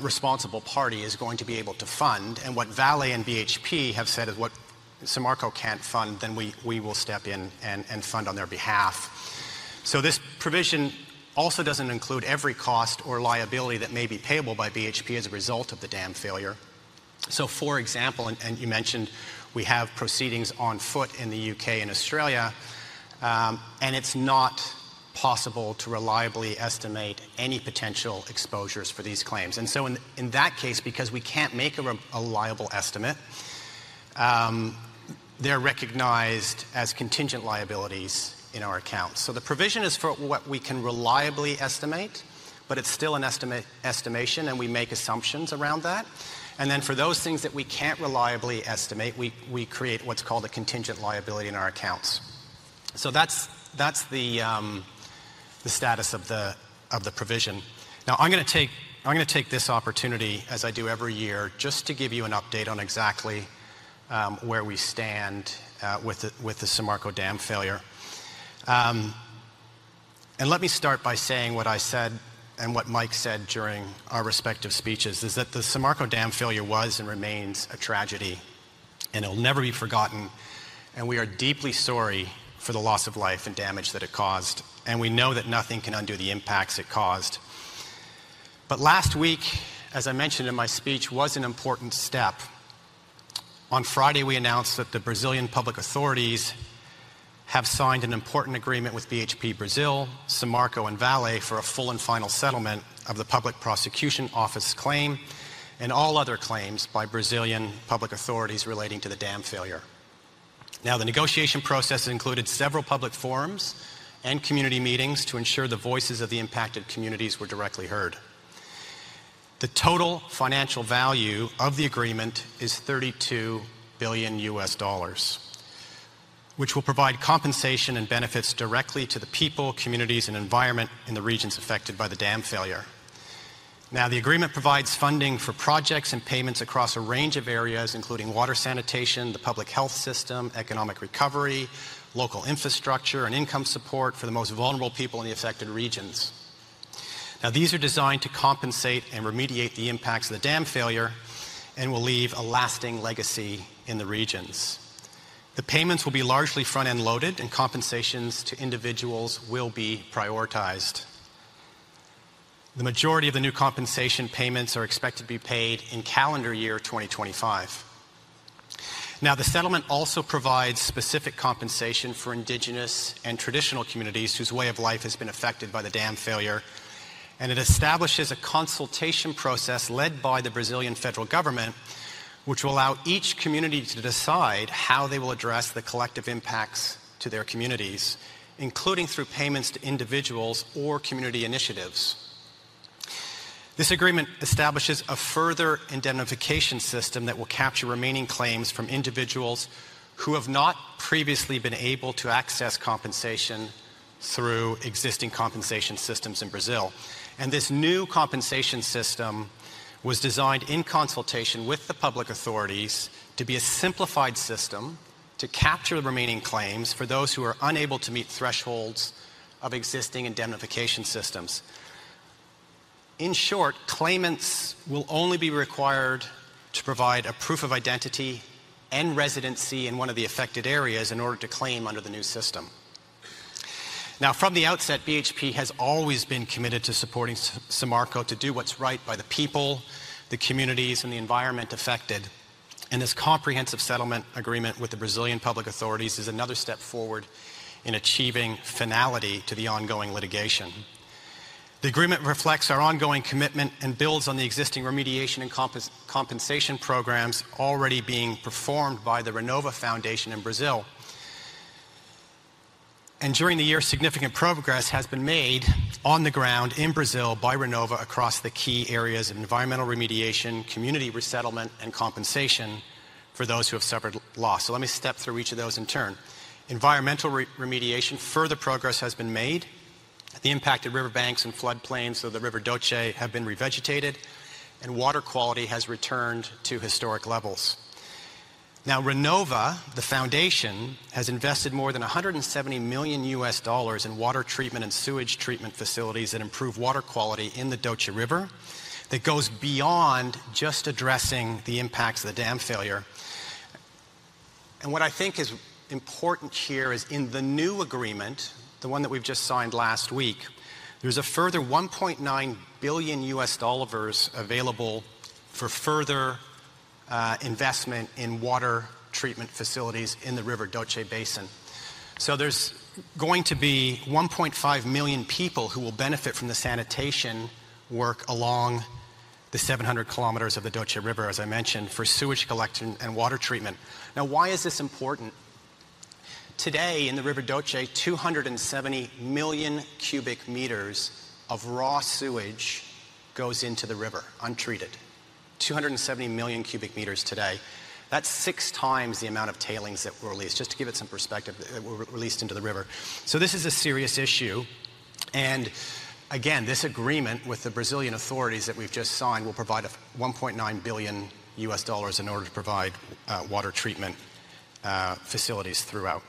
responsible party, is going to be able to fund. What Vale and BHP have said is, "What Samarco can't fund, then we will step in and fund on their behalf." So this provision also doesn't include every cost or liability that may be payable by BHP as a result of the dam failure. So, for example, and you mentioned we have proceedings on foot in the U.K. and Australia, and it's not possible to reliably estimate any potential exposures for these claims. And so in that case, because we can't make a reliable estimate, they're recognized as contingent liabilities in our accounts. So the provision is for what we can reliably estimate, but it's still an estimation, and we make assumptions around that. And then for those things that we can't reliably estimate, we create what's called a contingent liability in our accounts. So that's the status of the provision. Now, I'm going to take this opportunity, as I do every year, just to give you an update on exactly where we stand with the Samarco dam failure. And let me start by saying what I said and what Mike said during our respective speeches, is that the Samarco dam failure was and remains a tragedy, and it'll never be forgotten. And we are deeply sorry for the loss of life and damage that it caused. And we know that nothing can undo the impacts it caused. But last week, as I mentioned in my speech, was an important step. On Friday, we announced that the Brazilian public authorities have signed an important agreement with BHP Brazil, Samarco, and Vale for a full and final settlement of the Public Prosecution Office claim and all other claims by Brazilian public authorities relating to the dam failure. Now, the negotiation process included several public forums and community meetings to ensure the voices of the impacted communities were directly heard. The total financial value of the agreement is $32 billion, which will provide compensation and benefits directly to the people, communities, and environment in the regions affected by the dam failure. Now, the agreement provides funding for projects and payments across a range of areas, including water sanitation, the public health system, economic recovery, local infrastructure, and income support for the most vulnerable people in the affected regions. Now, these are designed to compensate and remediate the impacts of the dam failure and will leave a lasting legacy in the regions. The payments will be largely front-end loaded, and compensations to individuals will be prioritized. The majority of the new compensation payments are expected to be paid in calendar year 2025. Now, the settlement also provides specific compensation for Indigenous and traditional communities whose way of life has been affected by the dam failure, and it establishes a consultation process led by the Brazilian federal government, which will allow each community to decide how they will address the collective impacts to their communities, including through payments to individuals or community initiatives. This agreement establishes a further indemnification system that will capture remaining claims from individuals who have not previously been able to access compensation through existing compensation systems in Brazil, and this new compensation system was designed in consultation with the public authorities to be a simplified system to capture the remaining claims for those who are unable to meet thresholds of existing indemnification systems. In short, claimants will only be required to provide a proof of identity and residency in one of the affected areas in order to claim under the new system. Now, from the outset, BHP has always been committed to supporting Samarco to do what's right by the people, the communities, and the environment affected. And this comprehensive settlement agreement with the Brazilian public authorities is another step forward in achieving finality to the ongoing litigation. The agreement reflects our ongoing commitment and builds on the existing remediation and compensation programs already being performed by the Renova Foundation in Brazil. And during the year, significant progress has been made on the ground in Brazil by Renova across the key areas of environmental remediation, community resettlement, and compensation for those who have suffered loss. So let me step through each of those in turn. Environmental remediation, further progress has been made. The impacted riverbanks and floodplains of the Rio Doce have been revegetated, and water quality has returned to historic levels. Now, Renova, the foundation, has invested more than $170 million in water treatment and sewage treatment facilities that improve water quality in the Rio Doce. That goes beyond just addressing the impacts of the dam failure. And what I think is important here is in the new agreement, the one that we've just signed last week, there's a further $1.9 billion available for further investment in water treatment facilities in the Rio Doce Basin. So there's going to be 1.5 million people who will benefit from the sanitation work along the 700 km of the Rio Doce, as I mentioned, for sewage collection and water treatment. Now, why is this important? Today, in the Rio Doce, 270 million cubic meters of raw sewage goes into the river, untreated. 270 million cubic meters today. That's six times the amount of tailings that were released, just to give it some perspective, that were released into the river. So this is a serious issue. And again, this agreement with the Brazilian authorities that we've just signed will provide $1.9 billion in order to provide water treatment facilities throughout.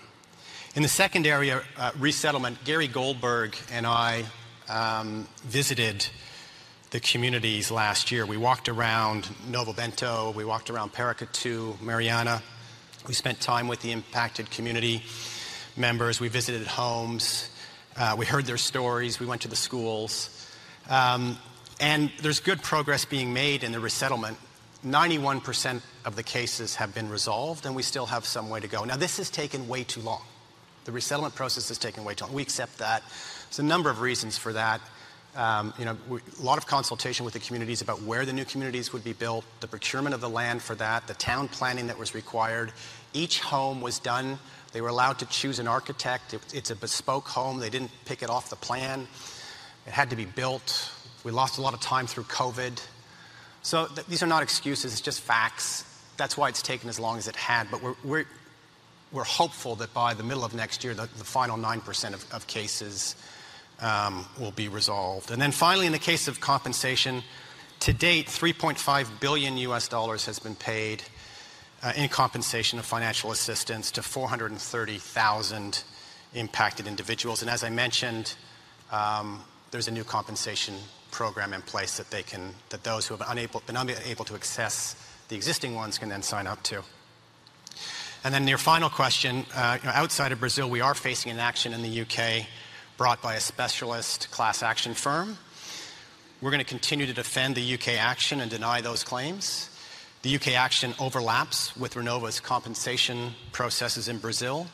In the second area, resettlement, Gary Goldberg and I visited the communities last year. We walked around Novo Bento. We walked around Paracatu, Mariana. We spent time with the impacted community members. We visited homes. We heard their stories. We went to the schools. And there's good progress being made in the resettlement. 91% of the cases have been resolved, and we still have some way to go. Now, this has taken way too long. The resettlement process has taken way too long. We accept that. There's a number of reasons for that. A lot of consultation with the communities about where the new communities would be built, the procurement of the land for that, the town planning that was required. Each home was done. They were allowed to choose an architect. It's a bespoke home. They didn't pick it off the plan. It had to be built. We lost a lot of time through COVID. So these are not excuses. It's just facts. That's why it's taken as long as it had, but we're hopeful that by the middle of next year, the final 9% of cases will be resolved, and then finally, in the case of compensation, to date, $3.5 billion has been paid in compensation of financial assistance to 430,000 impacted individuals, and as I mentioned, there's a new compensation program in place that those who have been unable to access the existing ones can then sign up to. Then your final question, outside of Brazil, we are facing an action in the U.K. brought by a specialist class action firm. We're going to continue to defend the U.K. action and deny those claims. The U.K. action overlaps with Renova's compensation processes in Brazil.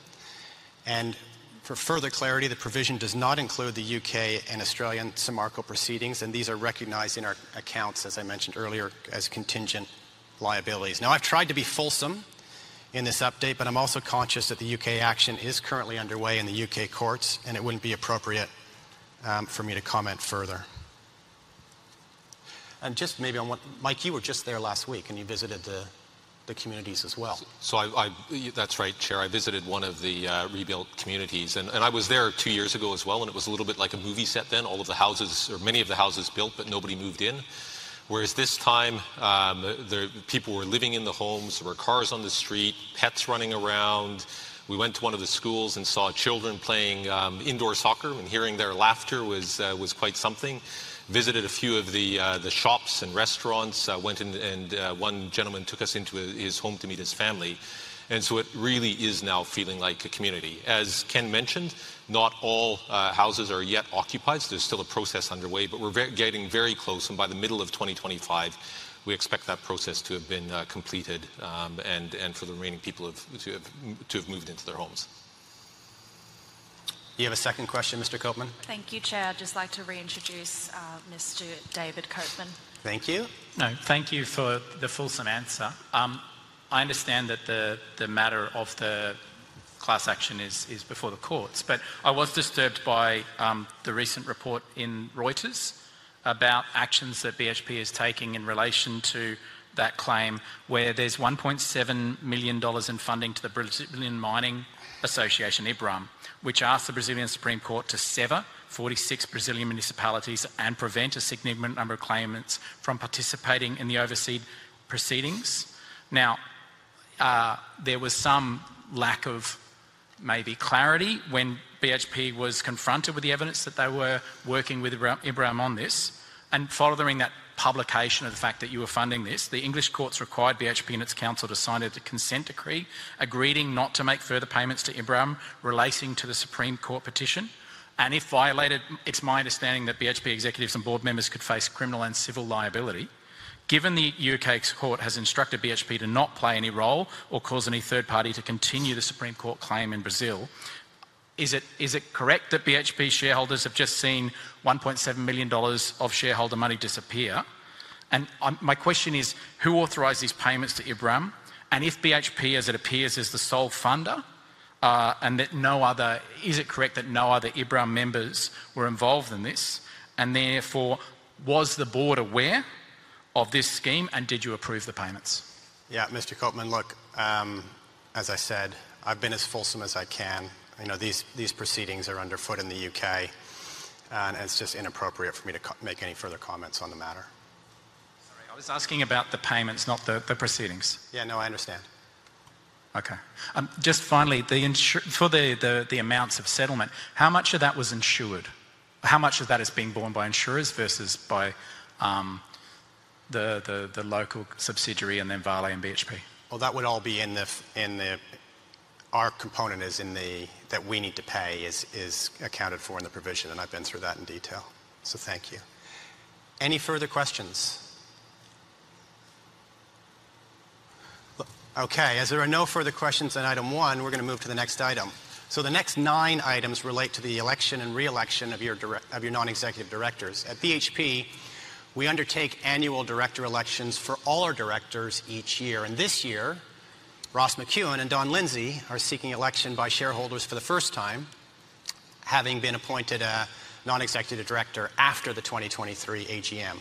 And for further clarity, the provision does not include the U.K. and Australian Samarco proceedings. And these are recognized in our accounts, as I mentioned earlier, as contingent liabilities. Now, I've tried to be fulsome in this update, but I'm also conscious that the U.K. action is currently underway in the U.K. courts, and it wouldn't be appropriate for me to comment further. And just maybe on what, Mike, we were just there last week, and you visited the communities as well. So that's right, Chair. I visited one of the rebuilt communities. I was there two years ago as well, and it was a little bit like a movie set then. All of the houses or many of the houses built, but nobody moved in. Whereas this time, the people were living in the homes. There were cars on the street, pets running around. We went to one of the schools and saw children playing indoor soccer, and hearing their laughter was quite something. Visited a few of the shops and restaurants. One gentleman took us into his home to meet his family. And so it really is now feeling like a community. As Ken mentioned, not all houses are yet occupied. There's still a process underway, but we're getting very close. And by the middle of 2025, we expect that process to have been completed and for the remaining people to have moved into their homes. Do you have a second question, Mr. Copeman? Thank you, Chair. I'd just like to reintroduce Mr. David Copeman. Thank you. No, thank you for the fulsome answer. I understand that the matter of the class action is before the courts, but I was disturbed by the recent report in Reuters about actions that BHP is taking in relation to that claim where there's $1.7 million in funding to the Brazilian Mining Association, IBRAM, which asked the Brazilian Supreme Court to sever 46 Brazilian municipalities and prevent a significant number of claimants from participating in the overseas proceedings. Now, there was some lack of maybe clarity when BHP was confronted with the evidence that they were working with IBRAM on this. And following that publication of the fact that you were funding this, the English courts required BHP and its counsel to sign a consent decree, agreeing not to make further payments to IBRAM relating to the Supreme Court petition. And if violated, it's my understanding that BHP executives and board members could face criminal and civil liability. Given the U.K. court has instructed BHP to not play any role or cause any third party to continue the Supreme Court claim in Brazil, is it correct that BHP shareholders have just seen $1.7 million of shareholder money disappear? And my question is, who authorized these payments to IBRAM? And if BHP, as it appears, is the sole funder and that no other is it correct that no other IBRAM members were involved in this? And therefore, was the board aware of this scheme, and did you approve the payments? Yeah, Mr. Copeman, look, as I said, I've been as fulsome as I can. These proceedings are afoot in the U.K., and it's just inappropriate for me to make any further comments on the matter. Sorry, I was asking about the payments, not the proceedings. Yeah, no, I understand. Okay. Just finally, for the amounts of settlement, how much of that was insured? How much of that is being borne by insurers versus by the local subsidiary and then Vale and BHP? Well, that would all be in the our component is in the that we need to pay is accounted for in the provision, and I've been through that in detail. So thank you. Any further questions? Okay. As there are no further questions on item one, we're going to move to the next item. So the next nine items relate to the election and reelection of your non-executive directors. At BHP, we undertake annual director elections for all our directors each year. And this year, Ross McEwan and Don Lindsay are seeking election by shareholders for the first time, having been appointed a non-executive director after the 2023 AGM.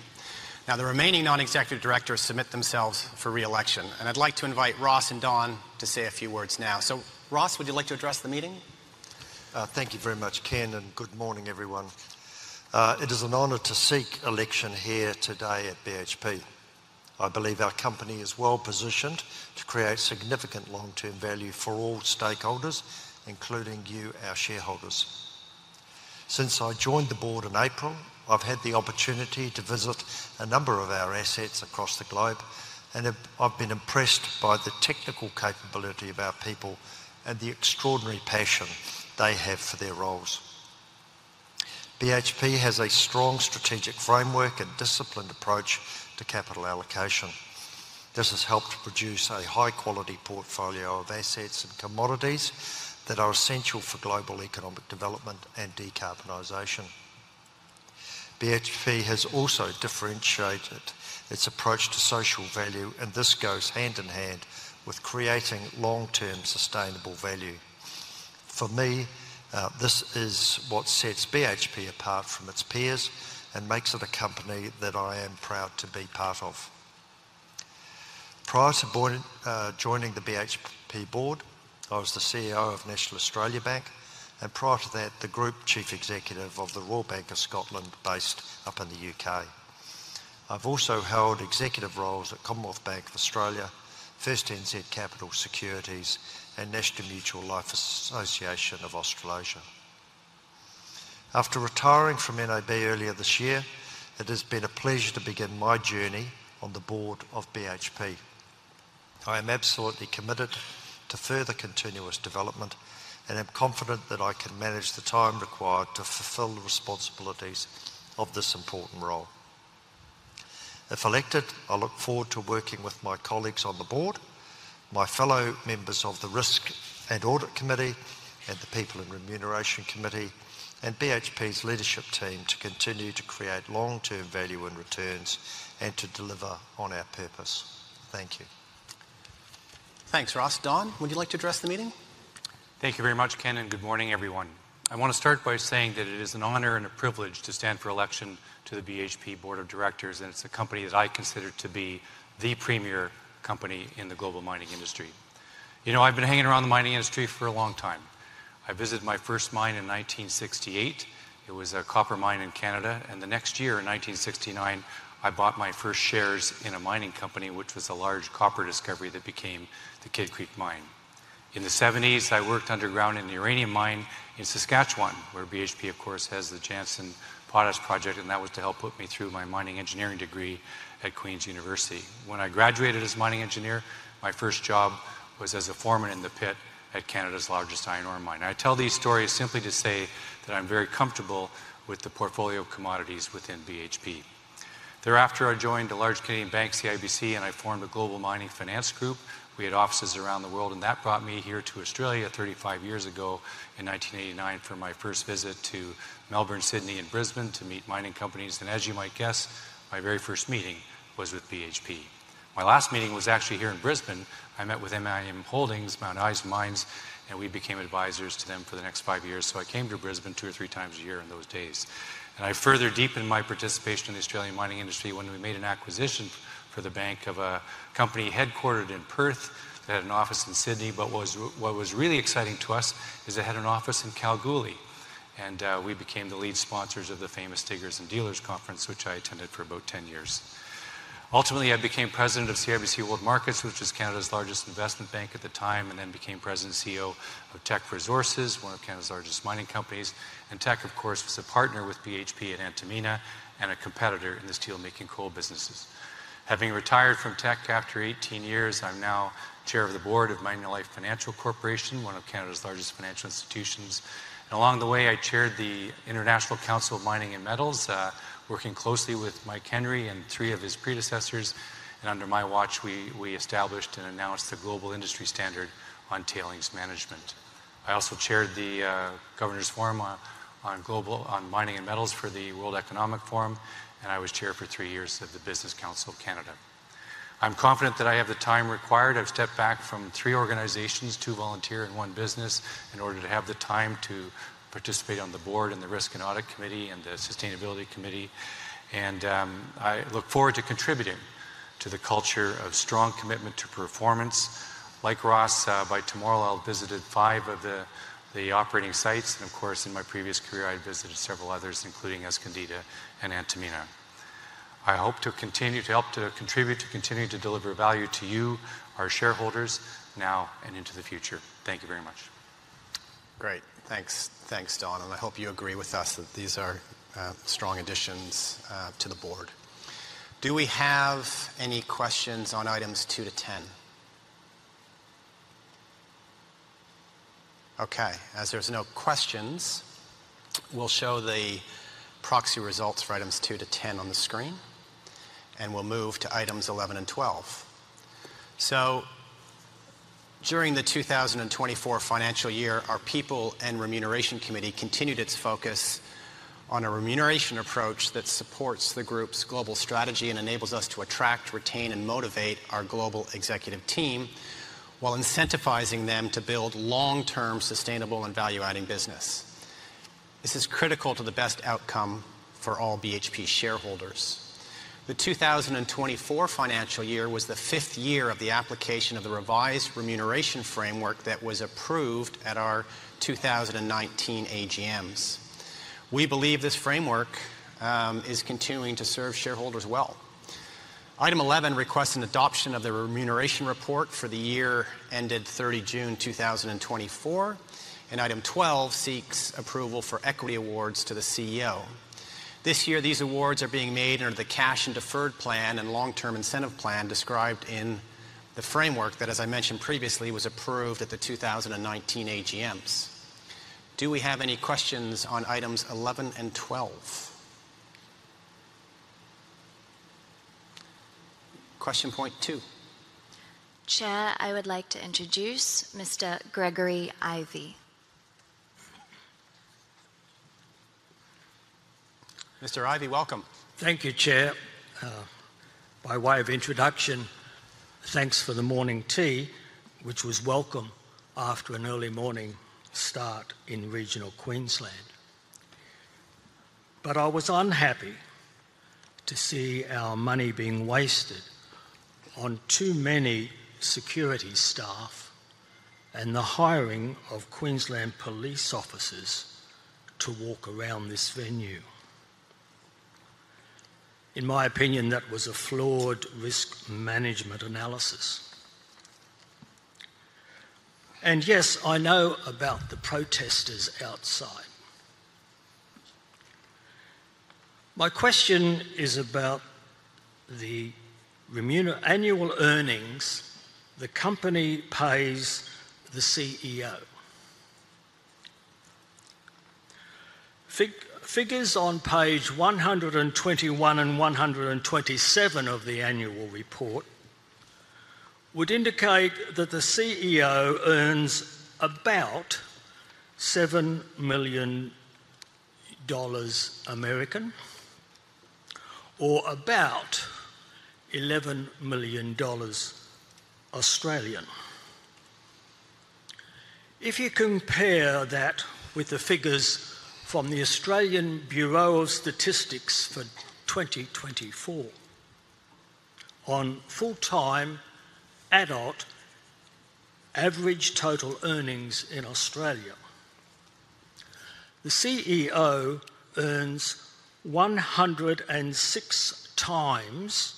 Now, the remaining non-executive directors submit themselves for reelection. And I'd like to invite Ross and Don to say a few words now. So Ross, would you like to address the meeting? Thank you very much, Ken, and good morning, everyone. It is an honor to seek election here today at BHP. I believe our company is well positioned to create significant long-term value for all stakeholders, including you, our shareholders. Since I joined the board in April, I've had the opportunity to visit a number of our assets across the globe, and I've been impressed by the technical capability of our people and the extraordinary passion they have for their roles. BHP has a strong strategic framework and disciplined approach to capital allocation. This has helped produce a high-quality portfolio of assets and commodities that are essential for global economic development and decarbonization. BHP has also differentiated its approach to social value, and this goes hand in hand with creating long-term sustainable value. For me, this is what sets BHP apart from its peers and makes it a company that I am proud to be part of. Prior to joining the BHP board, I was the CEO of National Australia Bank, and prior to that, the Group Chief Executive of the Royal Bank of Scotland based up in the U.K. I've also held executive roles at Commonwealth Bank of Australia, First NZ Capital Securities, and National Mutual Life Association of Australasia. After retiring from NAB earlier this year, it has been a pleasure to begin my journey on the board of BHP. I am absolutely committed to further continuous development and am confident that I can manage the time required to fulfill the responsibilities of this important role. If elected, I look forward to working with my colleagues on the board, my fellow members of the Risk and Audit Committee and the People and Remuneration Committee, and BHP's leadership team to continue to create long-term value and returns and to deliver on our purpose. Thank you. Thanks, Ross. Don, would you like to address the meeting? Thank you very much, Ken, and good morning, everyone. I want to start by saying that it is an honor and a privilege to stand for election to the BHP Board of Directors, and it's a company that I consider to be the premier company in the global mining industry. You know, I've been hanging around the mining industry for a long time. I visited my first mine in 1968. It was a copper mine in Canada, and the next year, in 1969, I bought my first shares in a mining company, which was a large copper discovery that became the Kidd Creek Mine. In the '70s, I worked underground in the uranium mine in Saskatchewan, where BHP, of course, has the Jansen potash project, and that was to help put me through my mining engineering degree at Queen's University. When I graduated as a mining engineer, my first job was as a foreman in the pit at Canada's largest iron ore mine. I tell these stories simply to say that I'm very comfortable with the portfolio of commodities within BHP. Thereafter, I joined a large Canadian bank, CIBC, and I formed a global mining finance group. We had offices around the world, and that brought me here to Australia 35 years ago in 1989 for my first visit to Melbourne, Sydney, and Brisbane to meet mining companies, and as you might guess, my very first meeting was with BHP. My last meeting was actually here in Brisbane. I met with MIM Holdings, Mount Isa Mines, and we became advisors to them for the next five years, so I came to Brisbane two or three times a year in those days. I further deepened my participation in the Australian mining industry when we made an acquisition for the bank of a company headquartered in Perth that had an office in Sydney. What was really exciting to us is it had an office in Kalgoorlie, and we became the lead sponsors of the famous Diggers and Dealers Conference, which I attended for about 10 years. Ultimately, I became president of CIBC World Markets, which is Canada's largest investment bank at the time, and then became president and CEO of Teck Resources, one of Canada's largest mining companies. Teck, of course, was a partner with BHP at Antamina and a competitor in the steelmaking coal businesses. Having retired from Teck after 18 years, I'm now chair of the board of Manulife Financial Corporation, one of Canada's largest financial institutions. And along the way, I chaired the International Council on Mining and Metals, working closely with Mike Henry and three of his predecessors. And under my watch, we established and announced the global industry standard on tailings management. I also chaired the governor's forum on mining and metals for the World Economic Forum, and I was chair for three years of the Business Council of Canada. I'm confident that I have the time required. I've stepped back from three organizations, two volunteer, and one business in order to have the time to participate on the board and the Risk and Audit Committee and the Sustainability Committee. And I look forward to contributing to the culture of strong commitment to performance. Like Ross, by tomorrow, I'll have visited five of the operating sites. And of course, in my previous career, I've visited several others, including Escondida and Antamina. I hope to continue to help to contribute to continuing to deliver value to you, our shareholders, now and into the future. Thank you very much. Great. Thanks, Don. I hope you agree with us that these are strong additions to the board. Do we have any questions on items 2 to 10? Okay. As there's no questions, we'll show the proxy results for items 2 to 10 on the screen, and we'll move to items 11 and 12. During the 2024 financial year, our People and Remuneration Committee continued its focus on a remuneration approach that supports the group's global strategy and enables us to attract, retain, and motivate our global executive team while incentivizing them to build long-term sustainable and value-adding business. This is critical to the best outcome for all BHP shareholders. The 2024 financial year was the fifth year of the application of the revised remuneration framework that was approved at our 2019 AGMs. We believe this framework is continuing to serve shareholders well. Item 11 requests an adoption of the remuneration report for the year ended 30 June 2024, and Item 12 seeks approval for equity awards to the CEO. This year, these awards are being made under the Cash and Deferred Plan and Long-Term Incentive Plan described in the framework that, as I mentioned previously, was approved at the 2019 AGMs. Do we have any questions on Items 11 and 12? Question Point Two. Chair, I would like to introduce Mr. Gregory Ivey. Mr. Ivey, welcome. Thank you, Chair. By way of introduction, thanks for the morning tea, which was welcome after an early morning start in regional Queensland. But I was unhappy to see our money being wasted on too many security staff and the hiring of Queensland Police officers to walk around this venue. In my opinion, that was a flawed risk management analysis. And yes, I know about the protesters outside. My question is about the annual earnings the company pays the CEO. Figures on page 121 and 127 of the annual report would indicate that the CEO earns about $7 million or about 11 million Australian dollars. If you compare that with the figures from the Australian Bureau of Statistics for 2024 on full-time adult average total earnings in Australia, the CEO earns 106 times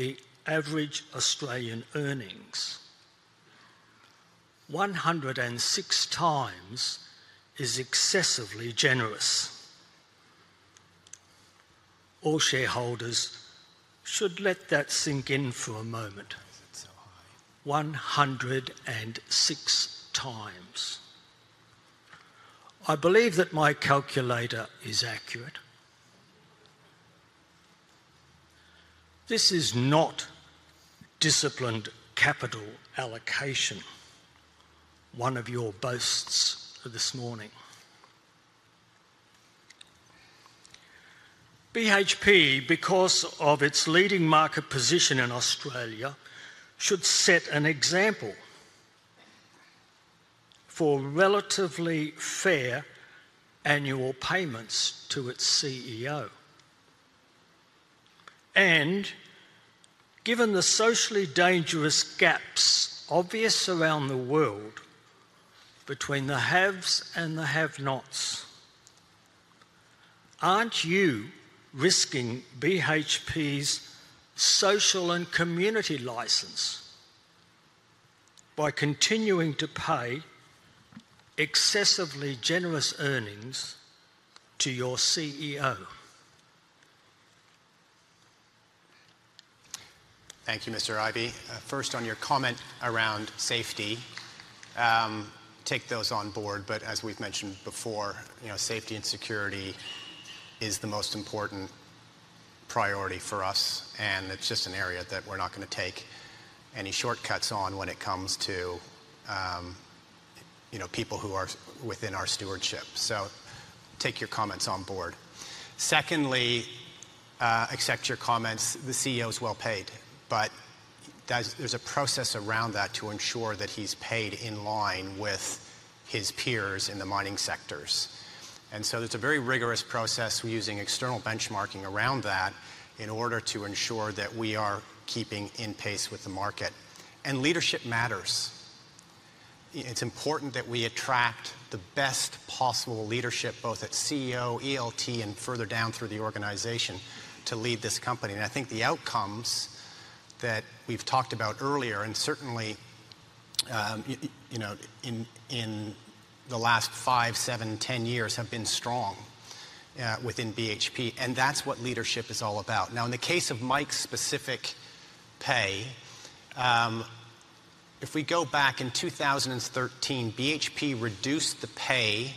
the average Australian earnings. 106 times is excessively generous. All shareholders should let that sink in for a moment. 106 times. I believe that my calculator is accurate. This is not disciplined capital allocation, one of your boasts this morning. BHP, because of its leading market position in Australia, should set an example for relatively fair annual payments to its CEO, and given the socially dangerous gaps obvious around the world between the haves and the have-nots, aren't you risking BHP's social and community license by continuing to pay excessively generous earnings to your CEO? Thank you, Mr. Ivy. First, on your comment around safety, take those on board, but as we've mentioned before, safety and security is the most important priority for us, and it's just an area that we're not going to take any shortcuts on when it comes to people who are within our stewardship, so take your comments on board. Secondly, accept your comments. The CEO is well paid, but there's a process around that to ensure that he's paid in line with his peers in the mining sectors. And so there's a very rigorous process using external benchmarking around that in order to ensure that we are keeping in pace with the market. And leadership matters. It's important that we attract the best possible leadership, both at CEO, ELT, and further down through the organization to lead this company. And I think the outcomes that we've talked about earlier, and certainly in the last five, seven, 10 years, have been strong within BHP, and that's what leadership is all about. Now, in the case of Mike's specific pay, if we go back in 2013, BHP reduced the pay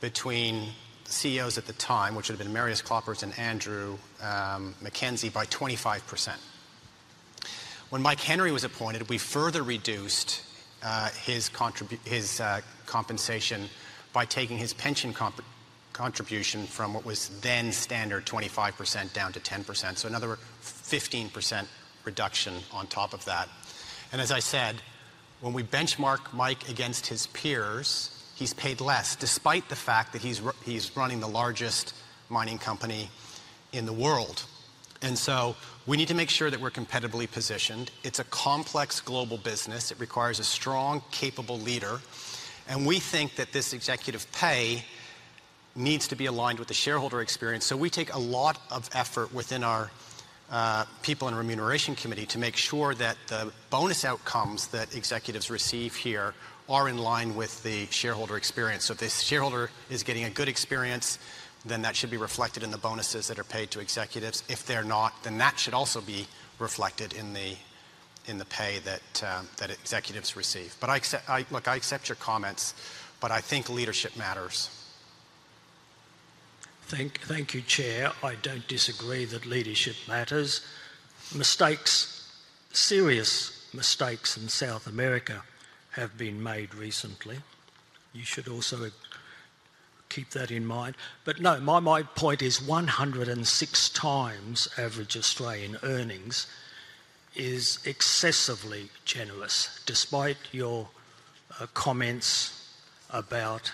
between the CEOs at the time, which would have been Marius Kloppers and Andrew Mackenzie, by 25%. When Mike Henry was appointed, we further reduced his compensation by taking his pension contribution from what was then standard 25% down to 10%. So another 15% reduction on top of that. As I said, when we benchmark Mike against his peers, he's paid less despite the fact that he's running the largest mining company in the world. So we need to make sure that we're competitively positioned. It's a complex global business. It requires a strong, capable leader. We think that this executive pay needs to be aligned with the shareholder experience. We take a lot of effort within our People and Remuneration Committee to make sure that the bonus outcomes that executives receive here are in line with the shareholder experience. If this shareholder is getting a good experience, then that should be reflected in the bonuses that are paid to executives. If they're not, then that should also be reflected in the pay that executives receive. I accept your comments, but I think leadership matters. Thank you, Chair. I don't disagree that leadership matters. Mistakes, serious mistakes in South America have been made recently. You should also keep that in mind. But no, my point is 106 times average Australian earnings is excessively generous. Despite your comments about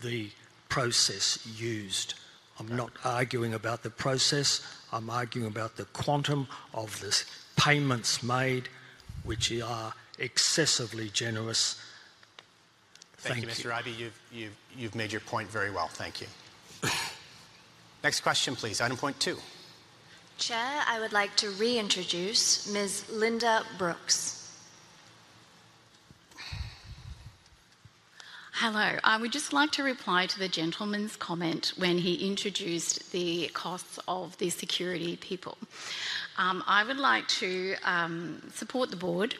the process used, I'm not arguing about the process. I'm arguing about the quantum of the payments made, which are excessively generous. Thank you. Thank you, Mr. Ivy. You've made your point very well. Thank you. Next question, please. Item Point Two. Chair, I would like to reintroduce Ms. Linda Brooke. Hello. I would just like to reply to the gentleman's comment when he introduced the costs of the security people. I would like to support the board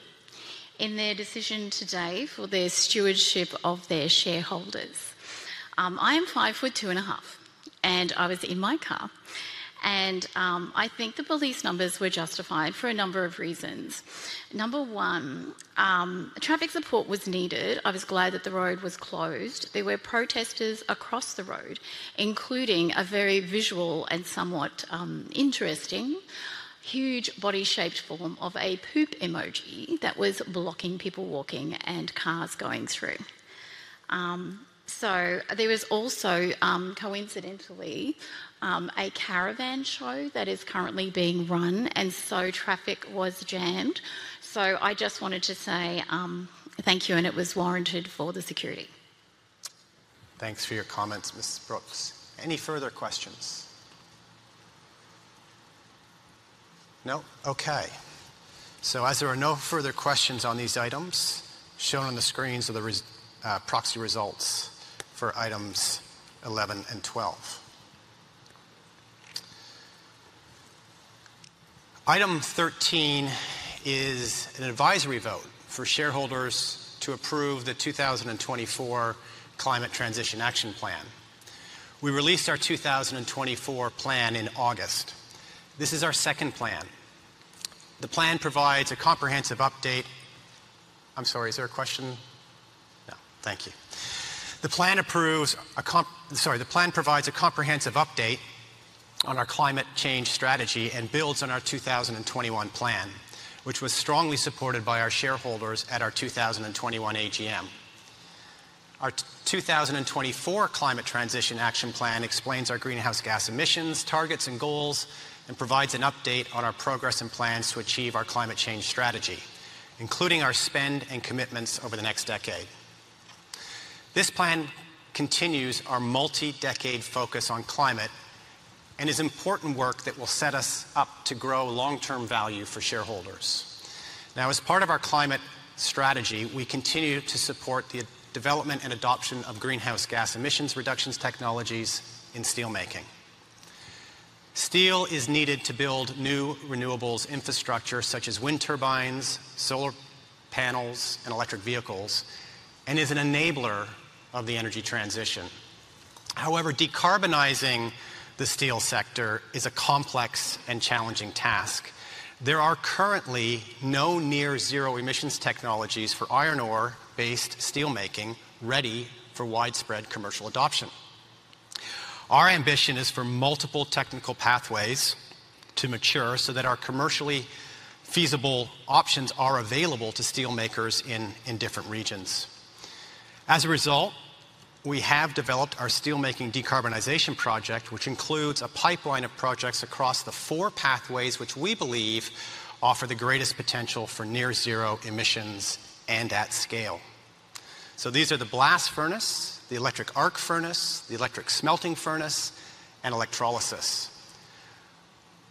in their decision today for the stewardship of their shareholders. I am 5 foot 2 and a half, and I was in my car. And I think the police numbers were justified for a number of reasons. Number one, traffic support was needed. I was glad that the road was closed. There were protesters across the road, including a very visual and somewhat interesting huge body-shaped form of a poop emoji that was blocking people walking and cars going through. So there was also, coincidentally, a caravan show that is currently being run, and so traffic was jammed. So I just wanted to say thank you, and it was warranted for the security. Thanks for your comments, Ms. Brooke. Any further questions? No? Okay. So as there are no further questions on these items, shown on the screens are the proxy results for items 11 and 12. Item 13 is an advisory vote for shareholders to approve the 2024 Climate Transition Action Plan. We released our 2024 plan in August. This is our second plan. The plan provides a comprehensive update. I'm sorry, is there a question? No. Thank you. The plan provides a comprehensive update on our climate change strategy and builds on our 2021 plan, which was strongly supported by our shareholders at our 2021 AGM. Our 2024 Climate Transition Action Plan explains our greenhouse gas emissions, targets, and goals, and provides an update on our progress and plans to achieve our climate change strategy, including our spend and commitments over the next decade. This plan continues our multi-decade focus on climate and is important work that will set us up to grow long-term value for shareholders. Now, as part of our climate strategy, we continue to support the development and adoption of greenhouse gas emissions reductions technologies in steelmaking. Steel is needed to build new renewables infrastructure such as wind turbines, solar panels, and electric vehicles, and is an enabler of the energy transition. However, decarbonizing the steel sector is a complex and challenging task. There are currently no near-zero emissions technologies for iron ore-based steelmaking ready for widespread commercial adoption. Our ambition is for multiple technical pathways to mature so that our commercially feasible options are available to steelmakers in different regions. As a result, we have developed our steelmaking decarbonization project, which includes a pipeline of projects across the four pathways which we believe offer the greatest potential for near-zero emissions and at scale, so these are the blast furnace, the electric arc furnace, the electric smelting furnace, and electrolysis.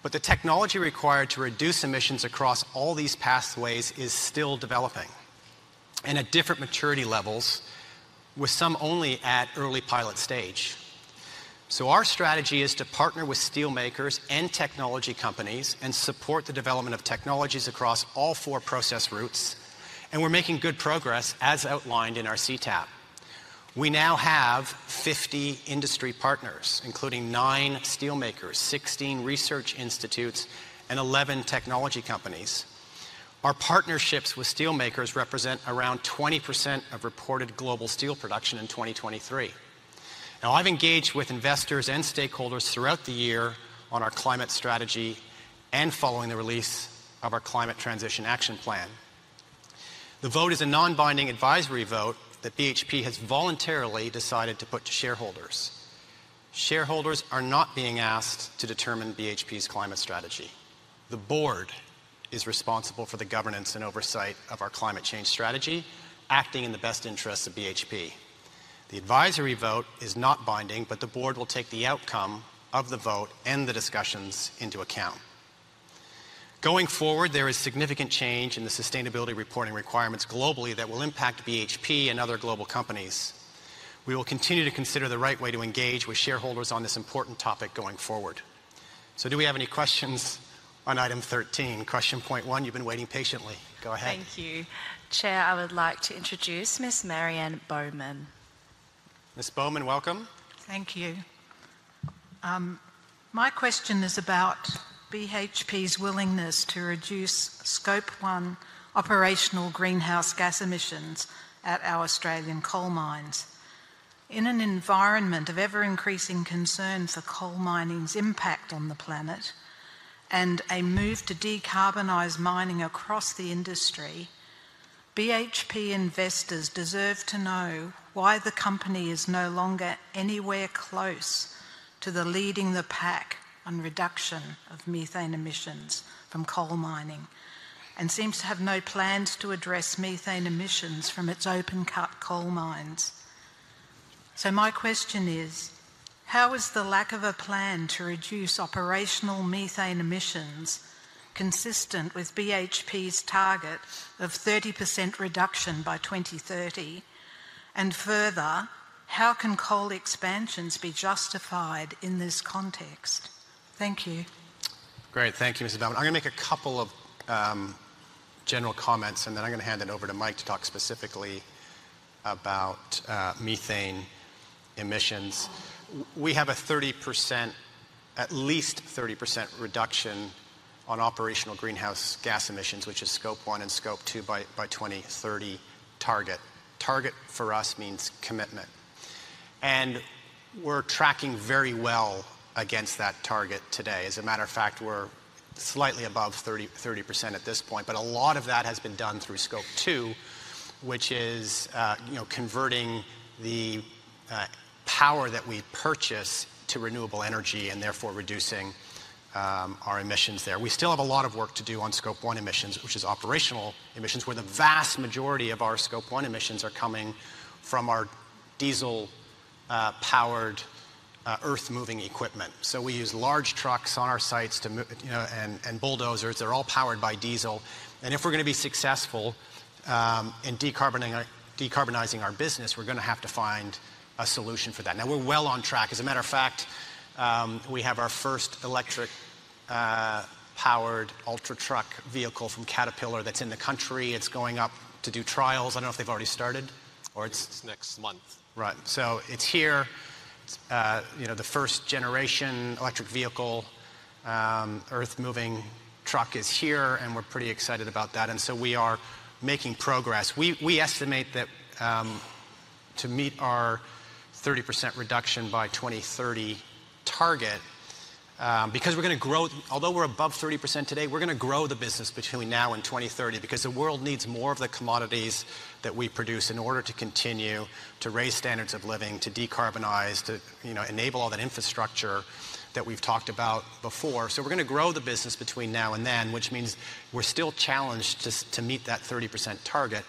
But the technology required to reduce emissions across all these pathways is still developing and at different maturity levels, with some only at early pilot stage. Our strategy is to partner with steelmakers and technology companies and support the development of technologies across all four process routes. And we're making good progress as outlined in our CTAP. We now have 50 industry partners, including nine steelmakers, 16 research institutes, and 11 technology companies. Our partnerships with steelmakers represent around 20% of reported global steel production in 2023. Now, I've engaged with investors and stakeholders throughout the year on our climate strategy and following the release of our Climate Transition Action Plan. The vote is a non-binding advisory vote that BHP has voluntarily decided to put to shareholders. Shareholders are not being asked to determine BHP's climate strategy. The board is responsible for the governance and oversight of our climate change strategy, acting in the best interests of BHP. The advisory vote is not binding, but the board will take the outcome of the vote and the discussions into account. Going forward, there is significant change in the sustainability reporting requirements globally that will impact BHP and other global companies. We will continue to consider the right way to engage with shareholders on this important topic going forward. So do we have any questions on item 13? Question Point One, you've been waiting patiently. Go ahead. Thank you. Chair, I would like to introduce Ms. Marianne Bowman. Ms. Bowman, welcome. Thank you. My question is about BHP's willingness to reduce Scope 1 operational greenhouse gas emissions at our Australian coal mines. In an environment of ever-increasing concerns for coal mining's impact on the planet and a move to decarbonize mining across the industry, BHP investors deserve to know why the company is no longer anywhere close to leading the pack on reduction of methane emissions from coal mining and seems to have no plans to address methane emissions from its open-cut coal mines. So my question is, how is the lack of a plan to reduce operational methane emissions consistent with BHP's target of 30% reduction by 2030? And further, how can coal expansions be justified in this context? Thank you. Great. Thank you, Ms. Bowman. I'm going to make a couple of general comments, and then I'm going to hand it over to Mike to talk specifically about methane emissions. We have a 30%, at least 30% reduction on operational greenhouse gas emissions, which is Scope 1 and Scope 2 by 2030. Target for us means commitment. We're tracking very well against that target today. As a matter of fact, we're slightly above 30% at this point, but a lot of that has been done through Scope 2, which is converting the power that we purchase to renewable energy and therefore reducing our emissions there. We still have a lot of work to do on Scope 1 emissions, which is operational emissions, where the vast majority of our Scope 1 emissions are coming from our diesel-powered earth-moving equipment, so we use large trucks on our sites and bulldozers. They're all powered by diesel, and if we're going to be successful in decarbonizing our business, we're going to have to find a solution for that. Now, we're well on track. As a matter of fact, we have our first electric-powered ultra-truck vehicle from Caterpillar that's in the country. It's going up to do trials. I don't know if they've already started or it's next month. Right. So it's here. The first-generation electric vehicle earth-moving truck is here, and we're pretty excited about that. And so we are making progress. We estimate that to meet our 30% reduction by 2030 target, because we're going to grow, although we're above 30% today, we're going to grow the business between now and 2030 because the world needs more of the commodities that we produce in order to continue to raise standards of living, to decarbonize, to enable all that infrastructure that we've talked about before. So we're going to grow the business between now and then, which means we're still challenged to meet that 30% target.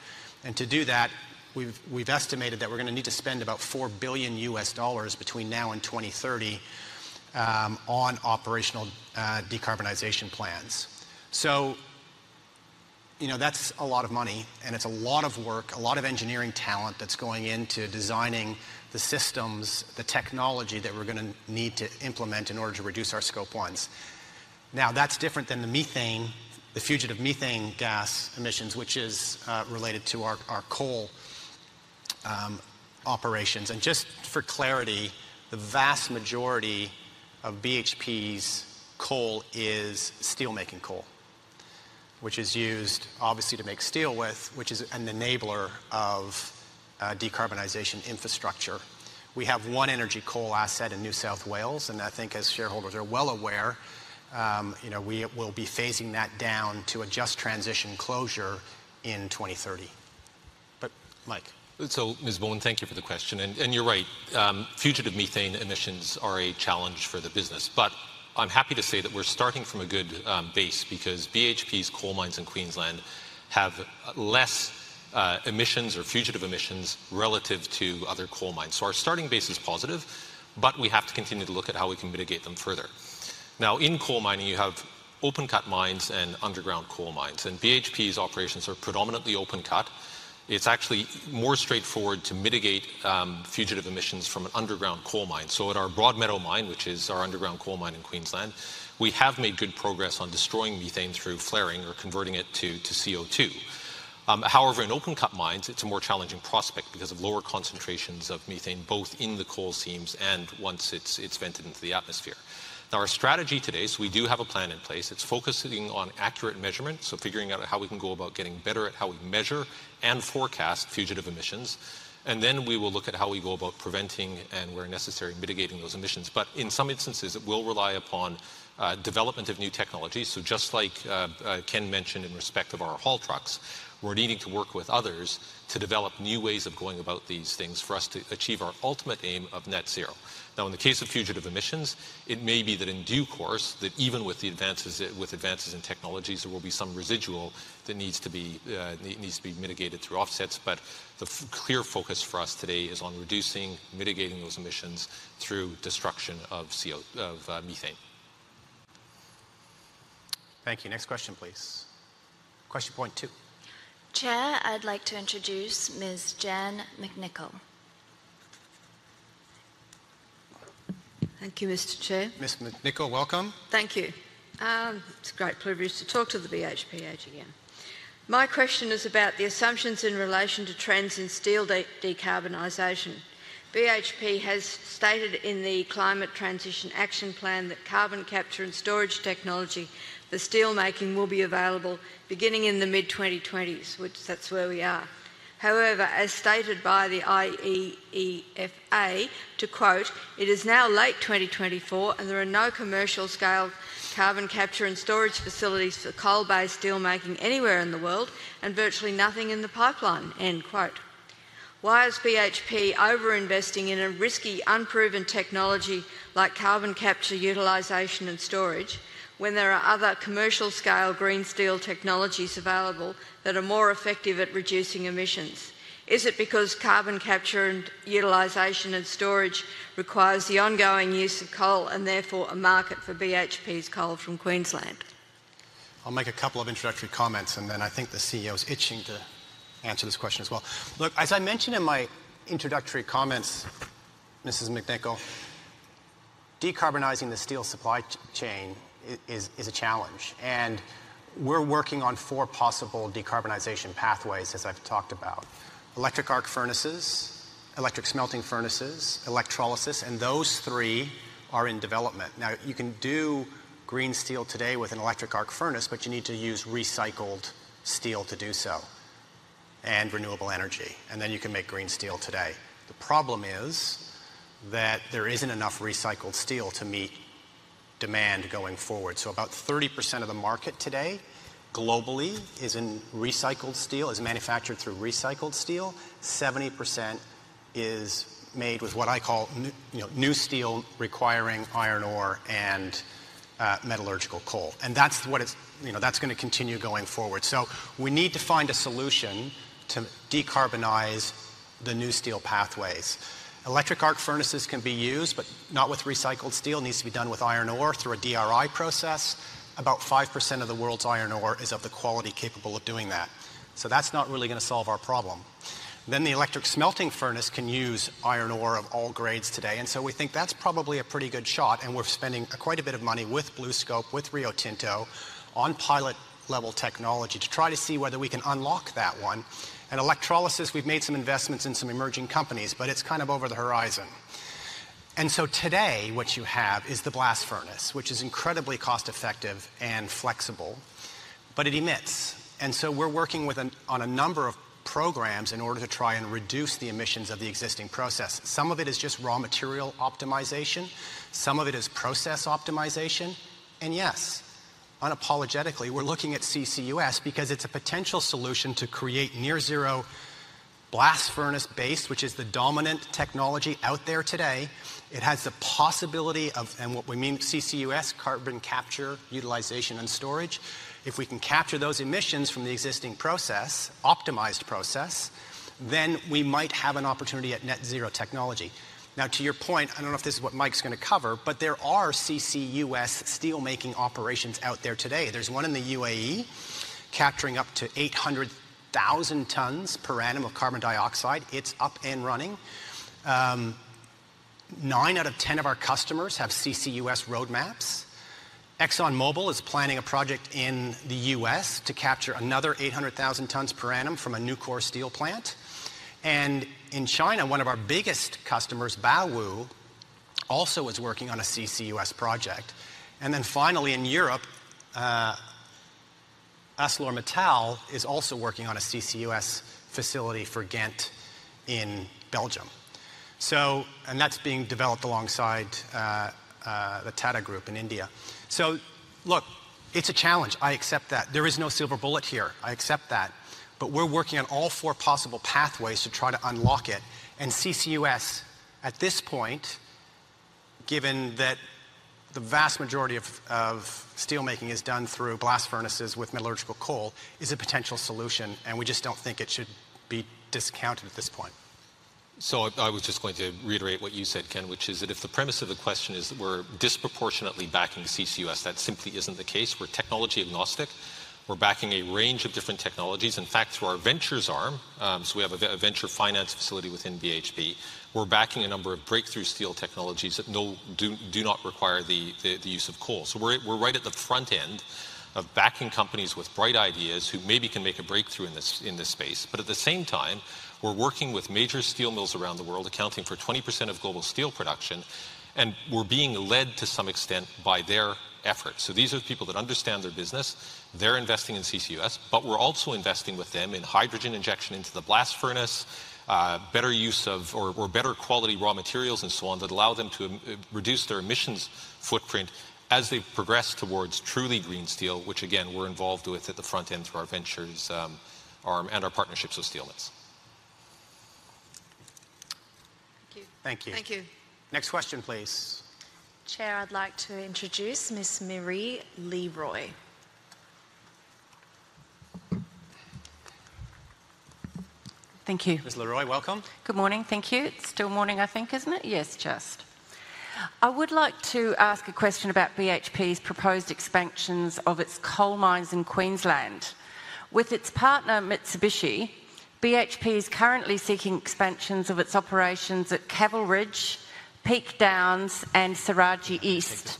And to do that, we've estimated that we're going to need to spend about $4 billion between now and 2030 on operational decarbonization plans. So that's a lot of money, and it's a lot of work, a lot of engineering talent that's going into designing the systems, the technology that we're going to need to implement in order to reduce our Scope 1s. Now, that's different than the methane, the fugitive methane gas emissions, which is related to our coal operations. And just for clarity, the vast majority of BHP's coal is steelmaking coal, which is used obviously to make steel with, which is an enabler of decarbonization infrastructure. We have one energy coal asset in New South Wales, and I think as shareholders are well aware, we will be phasing that down to a just transition closure in 2030. But Mike. So Ms. Bowman, thank you for the question, and you're right. Fugitive methane emissions are a challenge for the business. I'm happy to say that we're starting from a good base because BHP's coal mines in Queensland have less emissions or fugitive emissions relative to other coal mines. Our starting base is positive, but we have to continue to look at how we can mitigate them further. In coal mining, you have open-cut mines and underground coal mines, and BHP's operations are predominantly open-cut. It's actually more straightforward to mitigate fugitive emissions from an underground coal mine. At our Broadmeadow Mine, which is our underground coal mine in Queensland, we have made good progress on destroying methane through flaring or converting it to CO2. However, in open-cut mines, it's a more challenging prospect because of lower concentrations of methane both in the coal seams and once it's vented into the atmosphere. Now, our strategy today is we do have a plan in place. It's focusing on accurate measurement, so figuring out how we can go about getting better at how we measure and forecast fugitive emissions. And then we will look at how we go about preventing and, where necessary, mitigating those emissions. But in some instances, it will rely upon development of new technologies. So just like Ken mentioned in respect of our haul trucks, we're needing to work with others to develop new ways of going about these things for us to achieve our ultimate aim of net zero. Now, in the case of fugitive emissions, it may be that in due course, that even with advances in technologies, there will be some residual that needs to be mitigated through offsets. But the clear focus for us today is on reducing, mitigating those emissions through destruction of methane. Thank you. Next question, please. Question Point Two. Chair, I'd like to introduce Ms. Jan McNicol. Thank you, Mr. Chair. Ms. McNicol, welcome. Thank you. It's a great privilege to talk to the BHP again. My question is about the assumptions in relation to trends in steel decarbonization. BHP has stated in the Climate Transition Action Plan that carbon capture and storage technology, the steelmaking, will be available beginning in the mid-2020s, which that's where we are. However, as stated by the IEEFA, to quote, "It is now late 2024, and there are no commercial-scale carbon capture and storage facilities for coal-based steelmaking anywhere in the world, and virtually nothing in the pipeline." End quote. Why is BHP over-investing in a risky, unproven technology like carbon capture, utilization, and storage when there are other commercial-scale green steel technologies available that are more effective at reducing emissions? Is it because carbon capture and utilization and storage requires the ongoing use of coal and therefore a market for BHP's coal from Queensland? I'll make a couple of introductory comments, and then I think the CEO is itching to answer this question as well. Look, as I mentioned in my introductory comments, Mrs. McNicol, decarbonizing the steel supply chain is a challenge. We're working on four possible decarbonization pathways, as I've talked about: electric arc furnaces, electric smelting furnaces, electrolysis, and those three are in development. Now, you can do green steel today with an electric arc furnace, but you need to use recycled steel to do so and renewable energy. Then you can make green steel today. The problem is that there isn't enough recycled steel to meet demand going forward. So about 30% of the market today globally is in recycled steel, is manufactured through recycled steel. 70% is made with what I call new steel requiring iron ore and metallurgical coal. That's going to continue going forward. So we need to find a solution to decarbonize the new steel pathways. Electric arc furnaces can be used, but not with recycled steel. It needs to be done with iron ore through a DRI process. About 5% of the world's iron ore is of the quality capable of doing that. So that's not really going to solve our problem. Then the electric smelting furnace can use iron ore of all grades today. And so we think that's probably a pretty good shot. And we're spending quite a bit of money with BlueScope, with Rio Tinto, on pilot-level technology to try to see whether we can unlock that one. And electrolysis, we've made some investments in some emerging companies, but it's kind of over the horizon. And so today, what you have is the blast furnace, which is incredibly cost-effective and flexible, but it emits. And so we're working on a number of programs in order to try and reduce the emissions of the existing process. Some of it is just raw material optimization. Some of it is process optimization. Yes, unapologetically, we're looking at CCUS because it's a potential solution to create near-zero blast furnace-based, which is the dominant technology out there today. It has the possibility of, and what we mean CCUS, carbon capture, utilization, and storage. If we can capture those emissions from the existing process, optimized process, then we might have an opportunity at net zero technology. Now, to your point, I don't know if this is what Mike's going to cover, but there are CCUS steelmaking operations out there today. There's one in the UAE capturing up to 800,000 tons per annum of carbon dioxide. It's up and running. Nine out of ten of our customers have CCUS roadmaps. ExxonMobil is planning a project in the U.S. to capture another 800,000 tons per annum from a Nucor steel plant. In China, one of our biggest customers, Baowu, also is working on a CCUS project. Then finally, in Europe, ArcelorMittal is also working on a CCUS facility for Ghent in Belgium. That's being developed alongside the Tata Group in India. Look, it's a challenge. I accept that. There is no silver bullet here. I accept that. We're working on all four possible pathways to try to unlock it. CCUS, at this point, given that the vast majority of steelmaking is done through blast furnaces with metallurgical coal, is a potential solution, and we just don't think it should be discounted at this point. I was just going to reiterate what you said, Ken, which is that if the premise of the question is that we're disproportionately backing CCUS, that simply isn't the case. We're technology agnostic. We're backing a range of different technologies. In fact, through our ventures arm, so we have a venture finance facility within BHP, we're backing a number of breakthrough steel technologies that do not require the use of coal. So we're right at the front end of backing companies with bright ideas who maybe can make a breakthrough in this space. But at the same time, we're working with major steel mills around the world, accounting for 20% of global steel production, and we're being led to some extent by their efforts. So these are people that understand their business. They're investing in CCUS, but we're also investing with them in hydrogen injection into the blast furnace, better use of or better quality raw materials and so on that allow them to reduce their emissions footprint as they progress towards truly green steel, which, again, we're involved with at the front end through our ventures arm and our partnerships with steel mills. Thank you. Thank you. Thank you. Next question, please. Chair, I'd like to introduce Ms. Maree Le Roy. Thank you. Ms. Leroy, welcome. Good morning. Thank you. It's still morning, I think, isn't it? Yes, just. I would like to ask a question about BHP's proposed expansions of its coal mines in Queensland. With its partner, Mitsubishi, BHP is currently seeking expansions of its operations at Caval Ridge, Peak Downs, and Saraji East.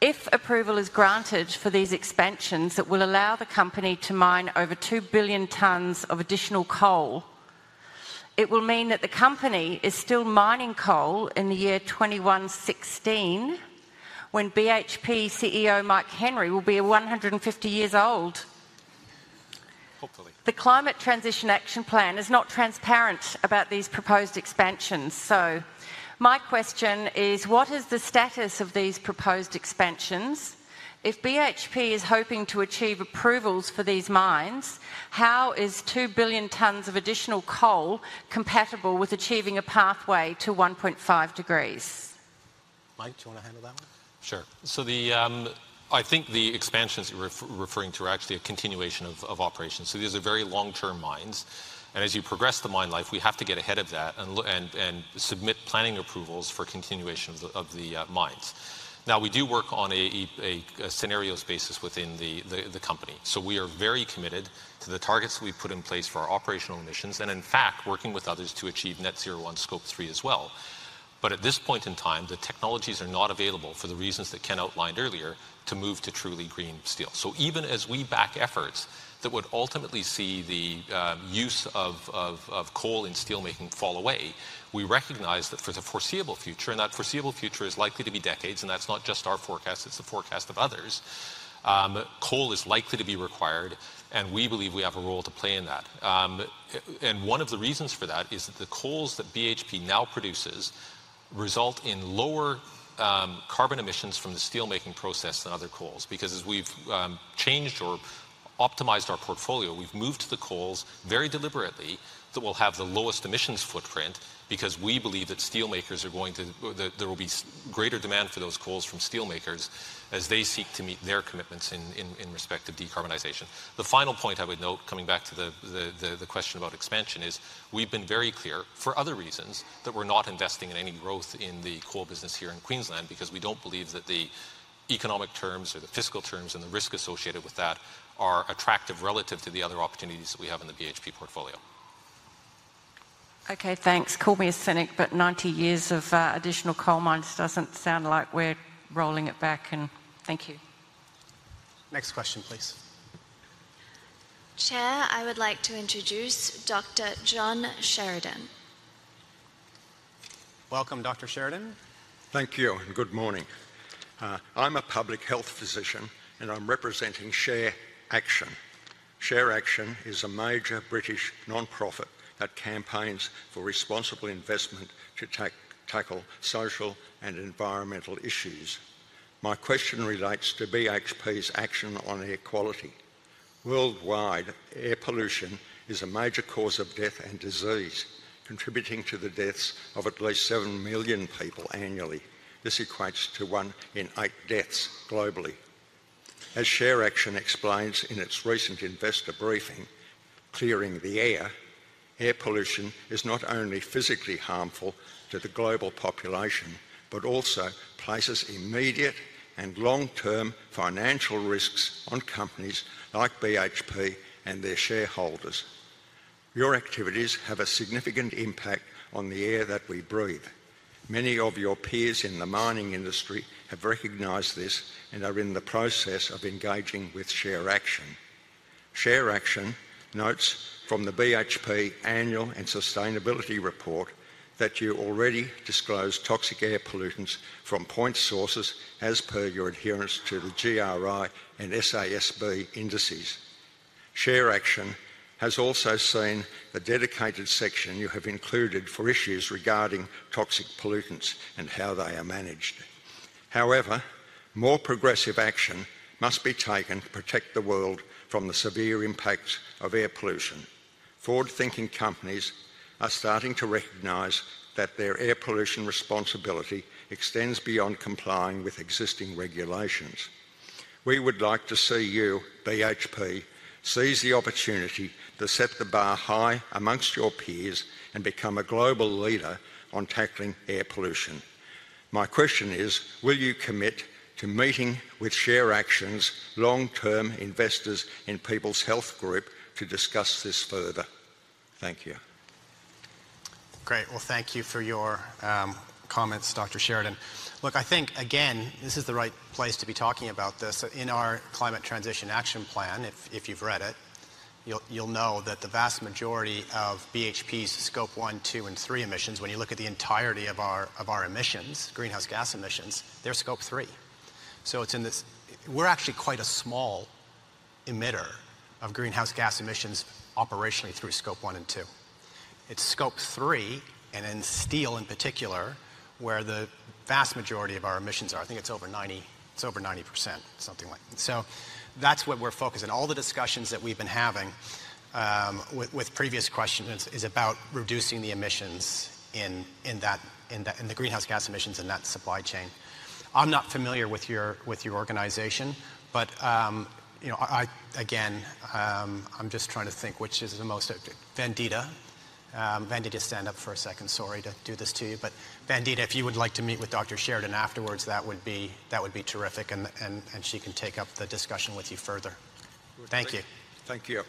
If approval is granted for these expansions that will allow the company to mine over two billion tons of additional coal, it will mean that the company is still mining coal in the year 2116 when BHP CEO Mike Henry will be 150 years old. Hopefully. The Climate Transition Action Plan is not transparent about these proposed expansions. So my question is, what is the status of these proposed expansions? If BHP is hoping to achieve approvals for these mines, how is two billion tons of additional coal compatible with achieving a pathway to 1.5 degrees? Mike, do you want to handle that one? Sure. So I think the expansions you're referring to are actually a continuation of operations. So these are very long-term mines. And as you progress the mine life, we have to get ahead of that and submit planning approvals for continuation of the mines. Now, we do work on a scenarios basis within the company. So we are very committed to the targets that we've put in place for our operational emissions and, in fact, working with others to achieve net zero on Scope 3 as well. But at this point in time, the technologies are not available for the reasons that Ken outlined earlier to move to truly green steel. So even as we back efforts that would ultimately see the use of coal in steelmaking fall away, we recognize that for the foreseeable future, and that foreseeable future is likely to be decades, and that's not just our forecast, it's the forecast of others, coal is likely to be required, and we believe we have a role to play in that. One of the reasons for that is that the coals that BHP now produces result in lower carbon emissions from the steelmaking process than other coals. Because as we've changed or optimized our portfolio, we've moved to the coals very deliberately that will have the lowest emissions footprint because we believe that steelmakers are going to, there will be greater demand for those coals from steelmakers as they seek to meet their commitments in respect of decarbonization. The final point I would note, coming back to the question about expansion, is we've been very clear for other reasons that we're not investing in any growth in the coal business here in Queensland because we don't believe that the economic terms or the fiscal terms and the risk associated with that are attractive relative to the other opportunities that we have in the BHP portfolio. Okay, thanks. Call me a cynic, but 90 years of additional coal mines doesn't sound like we're rolling it back in. Thank you. Next question, please. Chair, I would like to introduce Dr. John Sheridan. Welcome, Dr. Sheridan. Thank you and good morning. I'm a public health physician, and I'm representing ShareAction. ShareAction is a major British nonprofit that campaigns for responsible investment to tackle social and environmental issues. My question relates to BHP's action on air quality. Worldwide, air pollution is a major cause of death and disease, contributing to the deaths of at least seven million people annually. This equates to one in eight deaths globally. As ShareAction explains in its recent investor briefing, Clearing the Air, air pollution is not only physically harmful to the global population, but also places immediate and long-term financial risks on companies like BHP and their shareholders. Your activities have a significant impact on the air that we breathe. Many of your peers in the mining industry have recognized this and are in the process of engaging with ShareAction. ShareAction notes from the BHP annual and sustainability report that you already disclose toxic air pollutants from point sources as per your adherence to the GRI and SASB indices. ShareAction has also seen the dedicated section you have included for issues regarding toxic pollutants and how they are managed. However, more progressive action must be taken to protect the world from the severe impacts of air pollution. Forward-thinking companies are starting to recognize that their air pollution responsibility extends beyond complying with existing regulations. We would like to see you, BHP, seize the opportunity to set the bar high amongst your peers and become a global leader on tackling air pollution. My question is, will you commit to meeting with ShareAction's Long-term Investors in People's Health Group to discuss this further? Thank you. Great. Well, thank you for your comments, Dr. Sheridan. Look, I think, again, this is the right place to be talking about this. In our Climate Transition Action Plan, if you've read it, you'll know that the vast majority of BHP's Scope 1, 2, and 3 emissions, when you look at the entirety of our emissions, greenhouse gas emissions, they're Scope 3. So we're actually quite a small emitter of greenhouse gas emissions operationally through Scope 1 and 2. It's Scope 3, and in steel in particular, where the vast majority of our emissions are. I think it's over 90%, something like that. So that's what we're focusing on. All the discussions that we've been having with previous questions is about reducing the emissions in the greenhouse gas emissions in that supply chain. I'm not familiar with your organization, but again, I'm just trying to think which is the most. Vandita, Vandita stand up for a second, sorry to do this to you. But Vandita, if you would like to meet with Dr. Sheridan afterwards, that would be terrific, and she can take up the discussion with you further. Thank you. Thank you.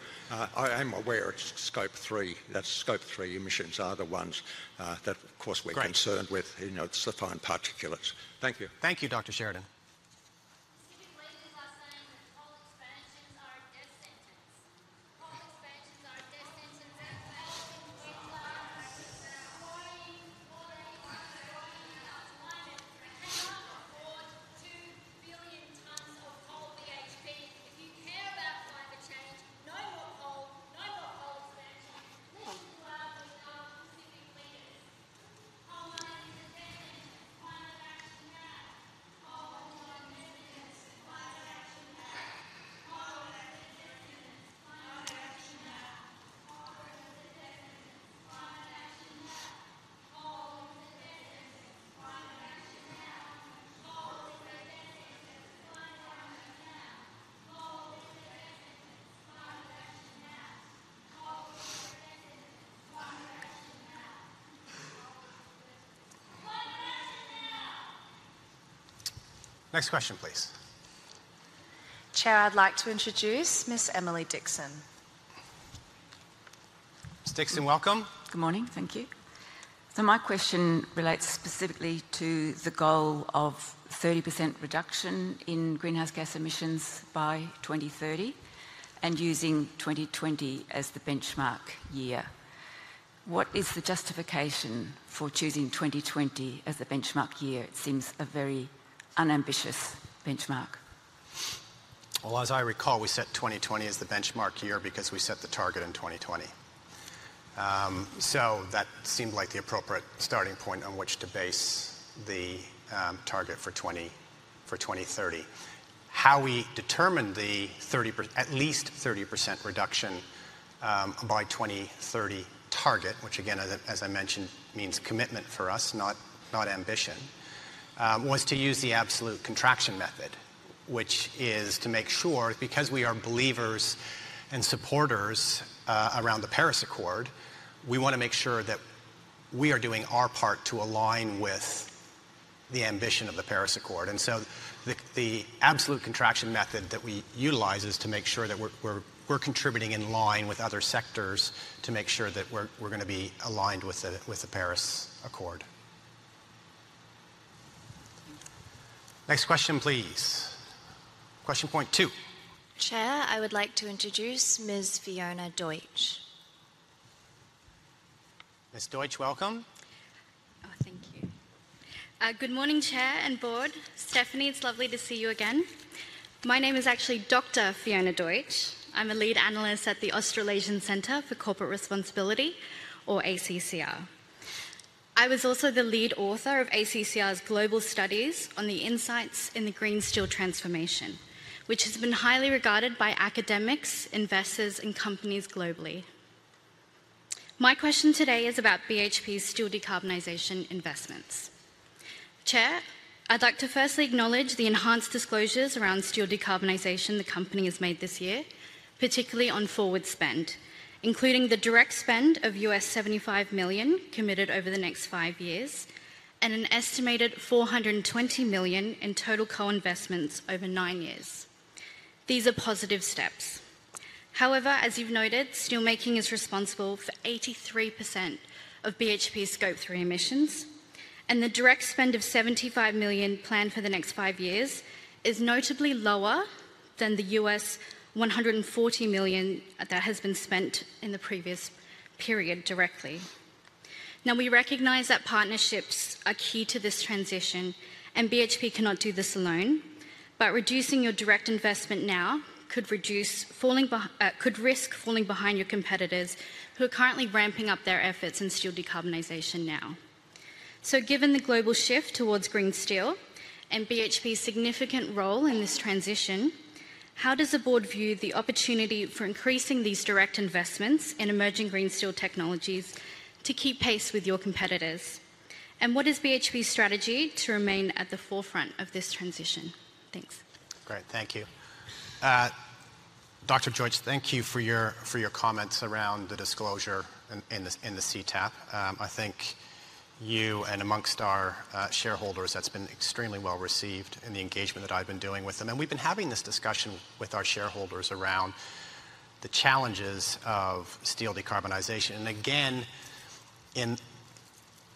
I'm aware it's Scope 3. That's Scope 3 emissions are the ones that, of course, we're concerned with. It's the fine particulates. Thank you. Thank you, Dr. Sheridan. unambitious benchmark. Well, as I recall, we set 2020 as the benchmark year because we set the target in 2020. So that seemed like the appropriate starting point on which to base the target for 2030. How we determine the at least 30% reduction by 2030 target, which, again, as I mentioned, means commitment for us, not ambition, was to use the absolute contraction method, which is to make sure, because we are believers and supporters around the Paris Accord, we want to make sure that we are doing our part to align with the ambition of the Paris Accord. And so the absolute contraction method that we utilize is to make sure that we're contributing in line with other sectors to make sure that we're going to be aligned with the Paris Accord. Next question, please. Question Point Two. Chair, I would like to introduce Ms. Fiona Deutsch. Ms. Deutsch, welcome. Oh, thank you. Good morning, Chair and Board. Stefanie, it's lovely to see you again. My name is actually Dr. Fiona Deutsch. I'm a lead analyst at the Australasian Centre for Corporate Responsibility, or ACCR. I was also the lead author of ACCR's global studies on the insights in the green steel transformation, which has been highly regarded by academics, investors, and companies globally. My question today is about BHP's steel decarbonization investments. Chair, I'd like to firstly acknowledge the enhanced disclosures around steel decarbonization the company has made this year, particularly on forward spend, including the direct spend of $75 million committed over the next five years and an estimated $420 million in total co-investments over nine years. These are positive steps. However, as you've noted, steelmaking is responsible for 83% of BHP's Scope 3 emissions, and the direct spend of $75 million planned for the next five years is notably lower than the $140 million that has been spent in the previous period directly. Now, we recognize that partnerships are key to this transition, and BHP cannot do this alone, but reducing your direct investment now could risk falling behind your competitors who are currently ramping up their efforts in steel decarbonization now. So given the global shift towards green steel and BHP's significant role in this transition, how does the board view the opportunity for increasing these direct investments in emerging green steel technologies to keep pace with your competitors? And what is BHP's strategy to remain at the forefront of this transition? Thanks. Great. Thank you. Dr. Deutsch, thank you for your comments around the disclosure in the CTAP. I think, among our shareholders, that's been extremely well received in the engagement that I've been doing with them, and we've been having this discussion with our shareholders around the challenges of steel decarbonization, and again,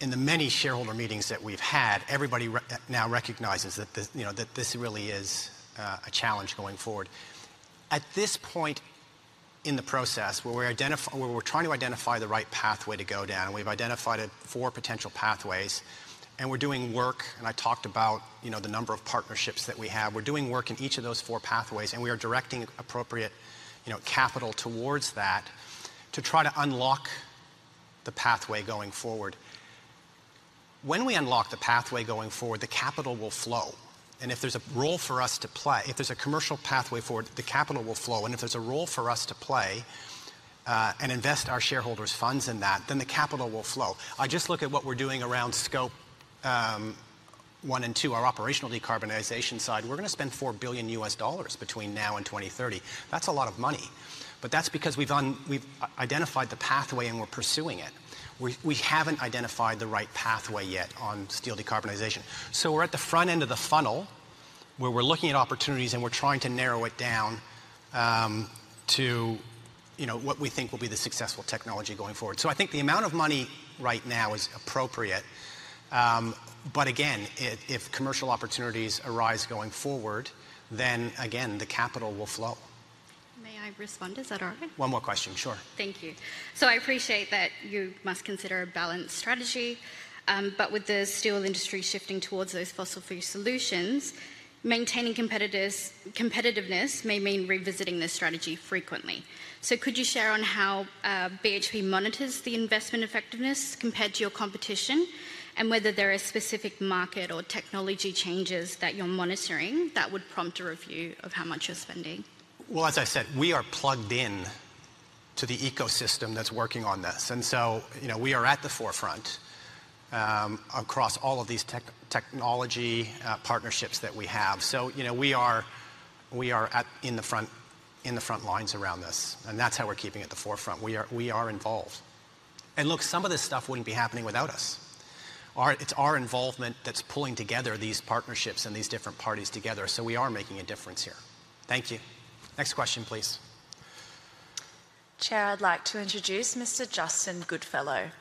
in the many shareholder meetings that we've had, everybody now recognizes that this really is a challenge going forward. At this point in the process, where we're trying to identify the right pathway to go down, and we've identified four potential pathways, and we're doing work, and I talked about the number of partnerships that we have, we're doing work in each of those four pathways, and we are directing appropriate capital towards that to try to unlock the pathway going forward. When we unlock the pathway going forward, the capital will flow, and if there's a role for us to play, if there's a commercial pathway forward, the capital will flow. If there's a role for us to play and invest our shareholders' funds in that, then the capital will flow. I just look at what we're doing around Scope 1 and 2, our operational decarbonization side. We're going to spend $4 billion between now and 2030. That's a lot of money, but that's because we've identified the pathway and we're pursuing it. We haven't identified the right pathway yet on steel decarbonization, so we're at the front end of the funnel where we're looking at opportunities and we're trying to narrow it down to what we think will be the successful technology going forward, so I think the amount of money right now is appropriate, but again, if commercial opportunities arise going forward, then again, the capital will flow. May I respond? Is that all right? One more question. Sure. Thank you. I appreciate that you must consider a balanced strategy. But with the steel industry shifting towards those fossil-fuel solutions, maintaining competitiveness may mean revisiting this strategy frequently. Could you share on how BHP monitors the investment effectiveness compared to your competition and whether there are specific market or technology changes that you're monitoring that would prompt a review of how much you're spending? As I said, we are plugged in to the ecosystem that's working on this. And so we are at the forefront across all of these technology partnerships that we have. So we are in the front lines around this, and that's how we're keeping it at the forefront. We are involved. And look, some of this stuff wouldn't be happening without us. It's our involvement that's pulling together these partnerships and these different parties together. So we are making a difference here. Thank you. Next question, please. Chair, I'd like to introduce Mr. Justin Goodfellow.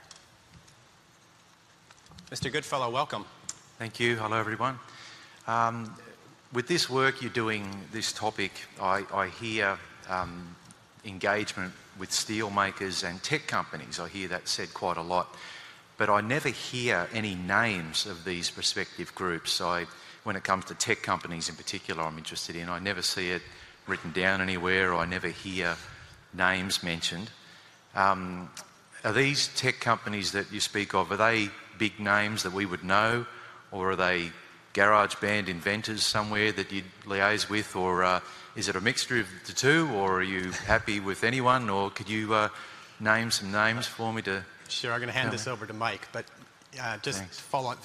Mr. Goodfellow, welcome. Thank you. Hello, everyone. With this work you're doing, this topic, I hear engagement with steelmakers and tech companies. I hear that said quite a lot. But I never hear any names of these prospective groups. When it comes to tech companies in particular I'm interested in, I never see it written down anywhere, or I never hear names mentioned. Are these tech companies that you speak of, are they big names that we would know, or are they garage-band inventors somewhere that you'd liaise with, or is it a mixture of the two, or are you happy with anyone? Or could you name some names for me to? Sure. I'm going to hand this over to Mike. But just follow up,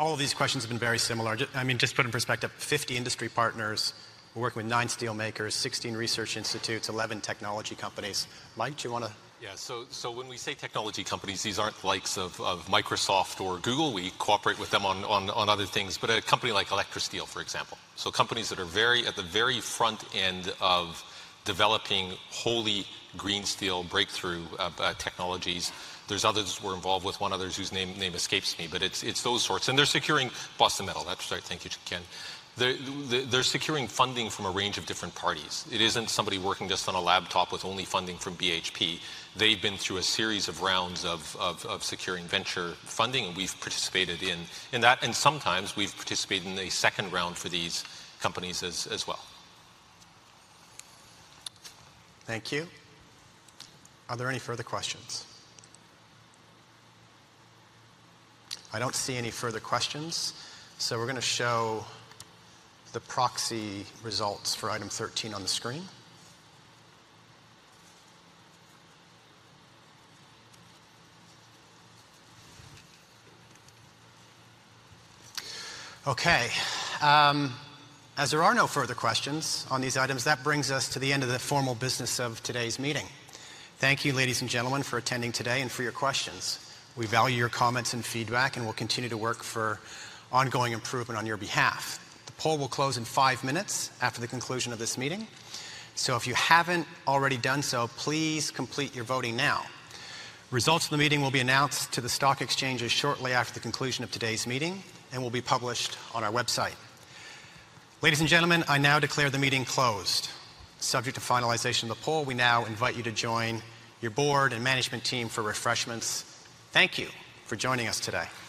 all of these questions have been very similar. I mean, just put in perspective, 50 industry partners, we're working with nine steelmakers, 16 research institutes, 11 technology companies. Mike, do you want to? Yeah. So when we say technology companies, these aren't the likes of Microsoft or Google. We cooperate with them on other things, but a company like Electra, for example. So companies that are at the very front end of developing wholly green steel breakthrough technologies. There's others we're involved with, one other whose name escapes me, but it's those sorts. And they're securing Boston Metal. That's right. Thank you, Ken. They're securing funding from a range of different parties. It isn't somebody working just on a laptop with only funding from BHP. They've been through a series of rounds of securing venture funding, and we've participated in that. And sometimes we've participated in a second round for these companies as well. Thank you. Are there any further questions? I don't see any further questions. So we're going to show the proxy results for item 13 on the screen. Okay. As there are no further questions on these items, that brings us to the end of the formal business of today's meeting. Thank you, ladies and gentlemen, for attending today and for your questions. We value your comments and feedback, and we'll continue to work for ongoing improvement on your behalf. The poll will close in five minutes after the conclusion of this meeting. So if you haven't already done so, please complete your voting now. Results of the meeting will be announced to the stock exchanges shortly after the conclusion of today's meeting and will be published on our website. Ladies and gentlemen, I now declare the meeting closed. Subject to finalization of the poll, we now invite you to join your board and management team for refreshments. Thank you for joining us today. I want you to get together.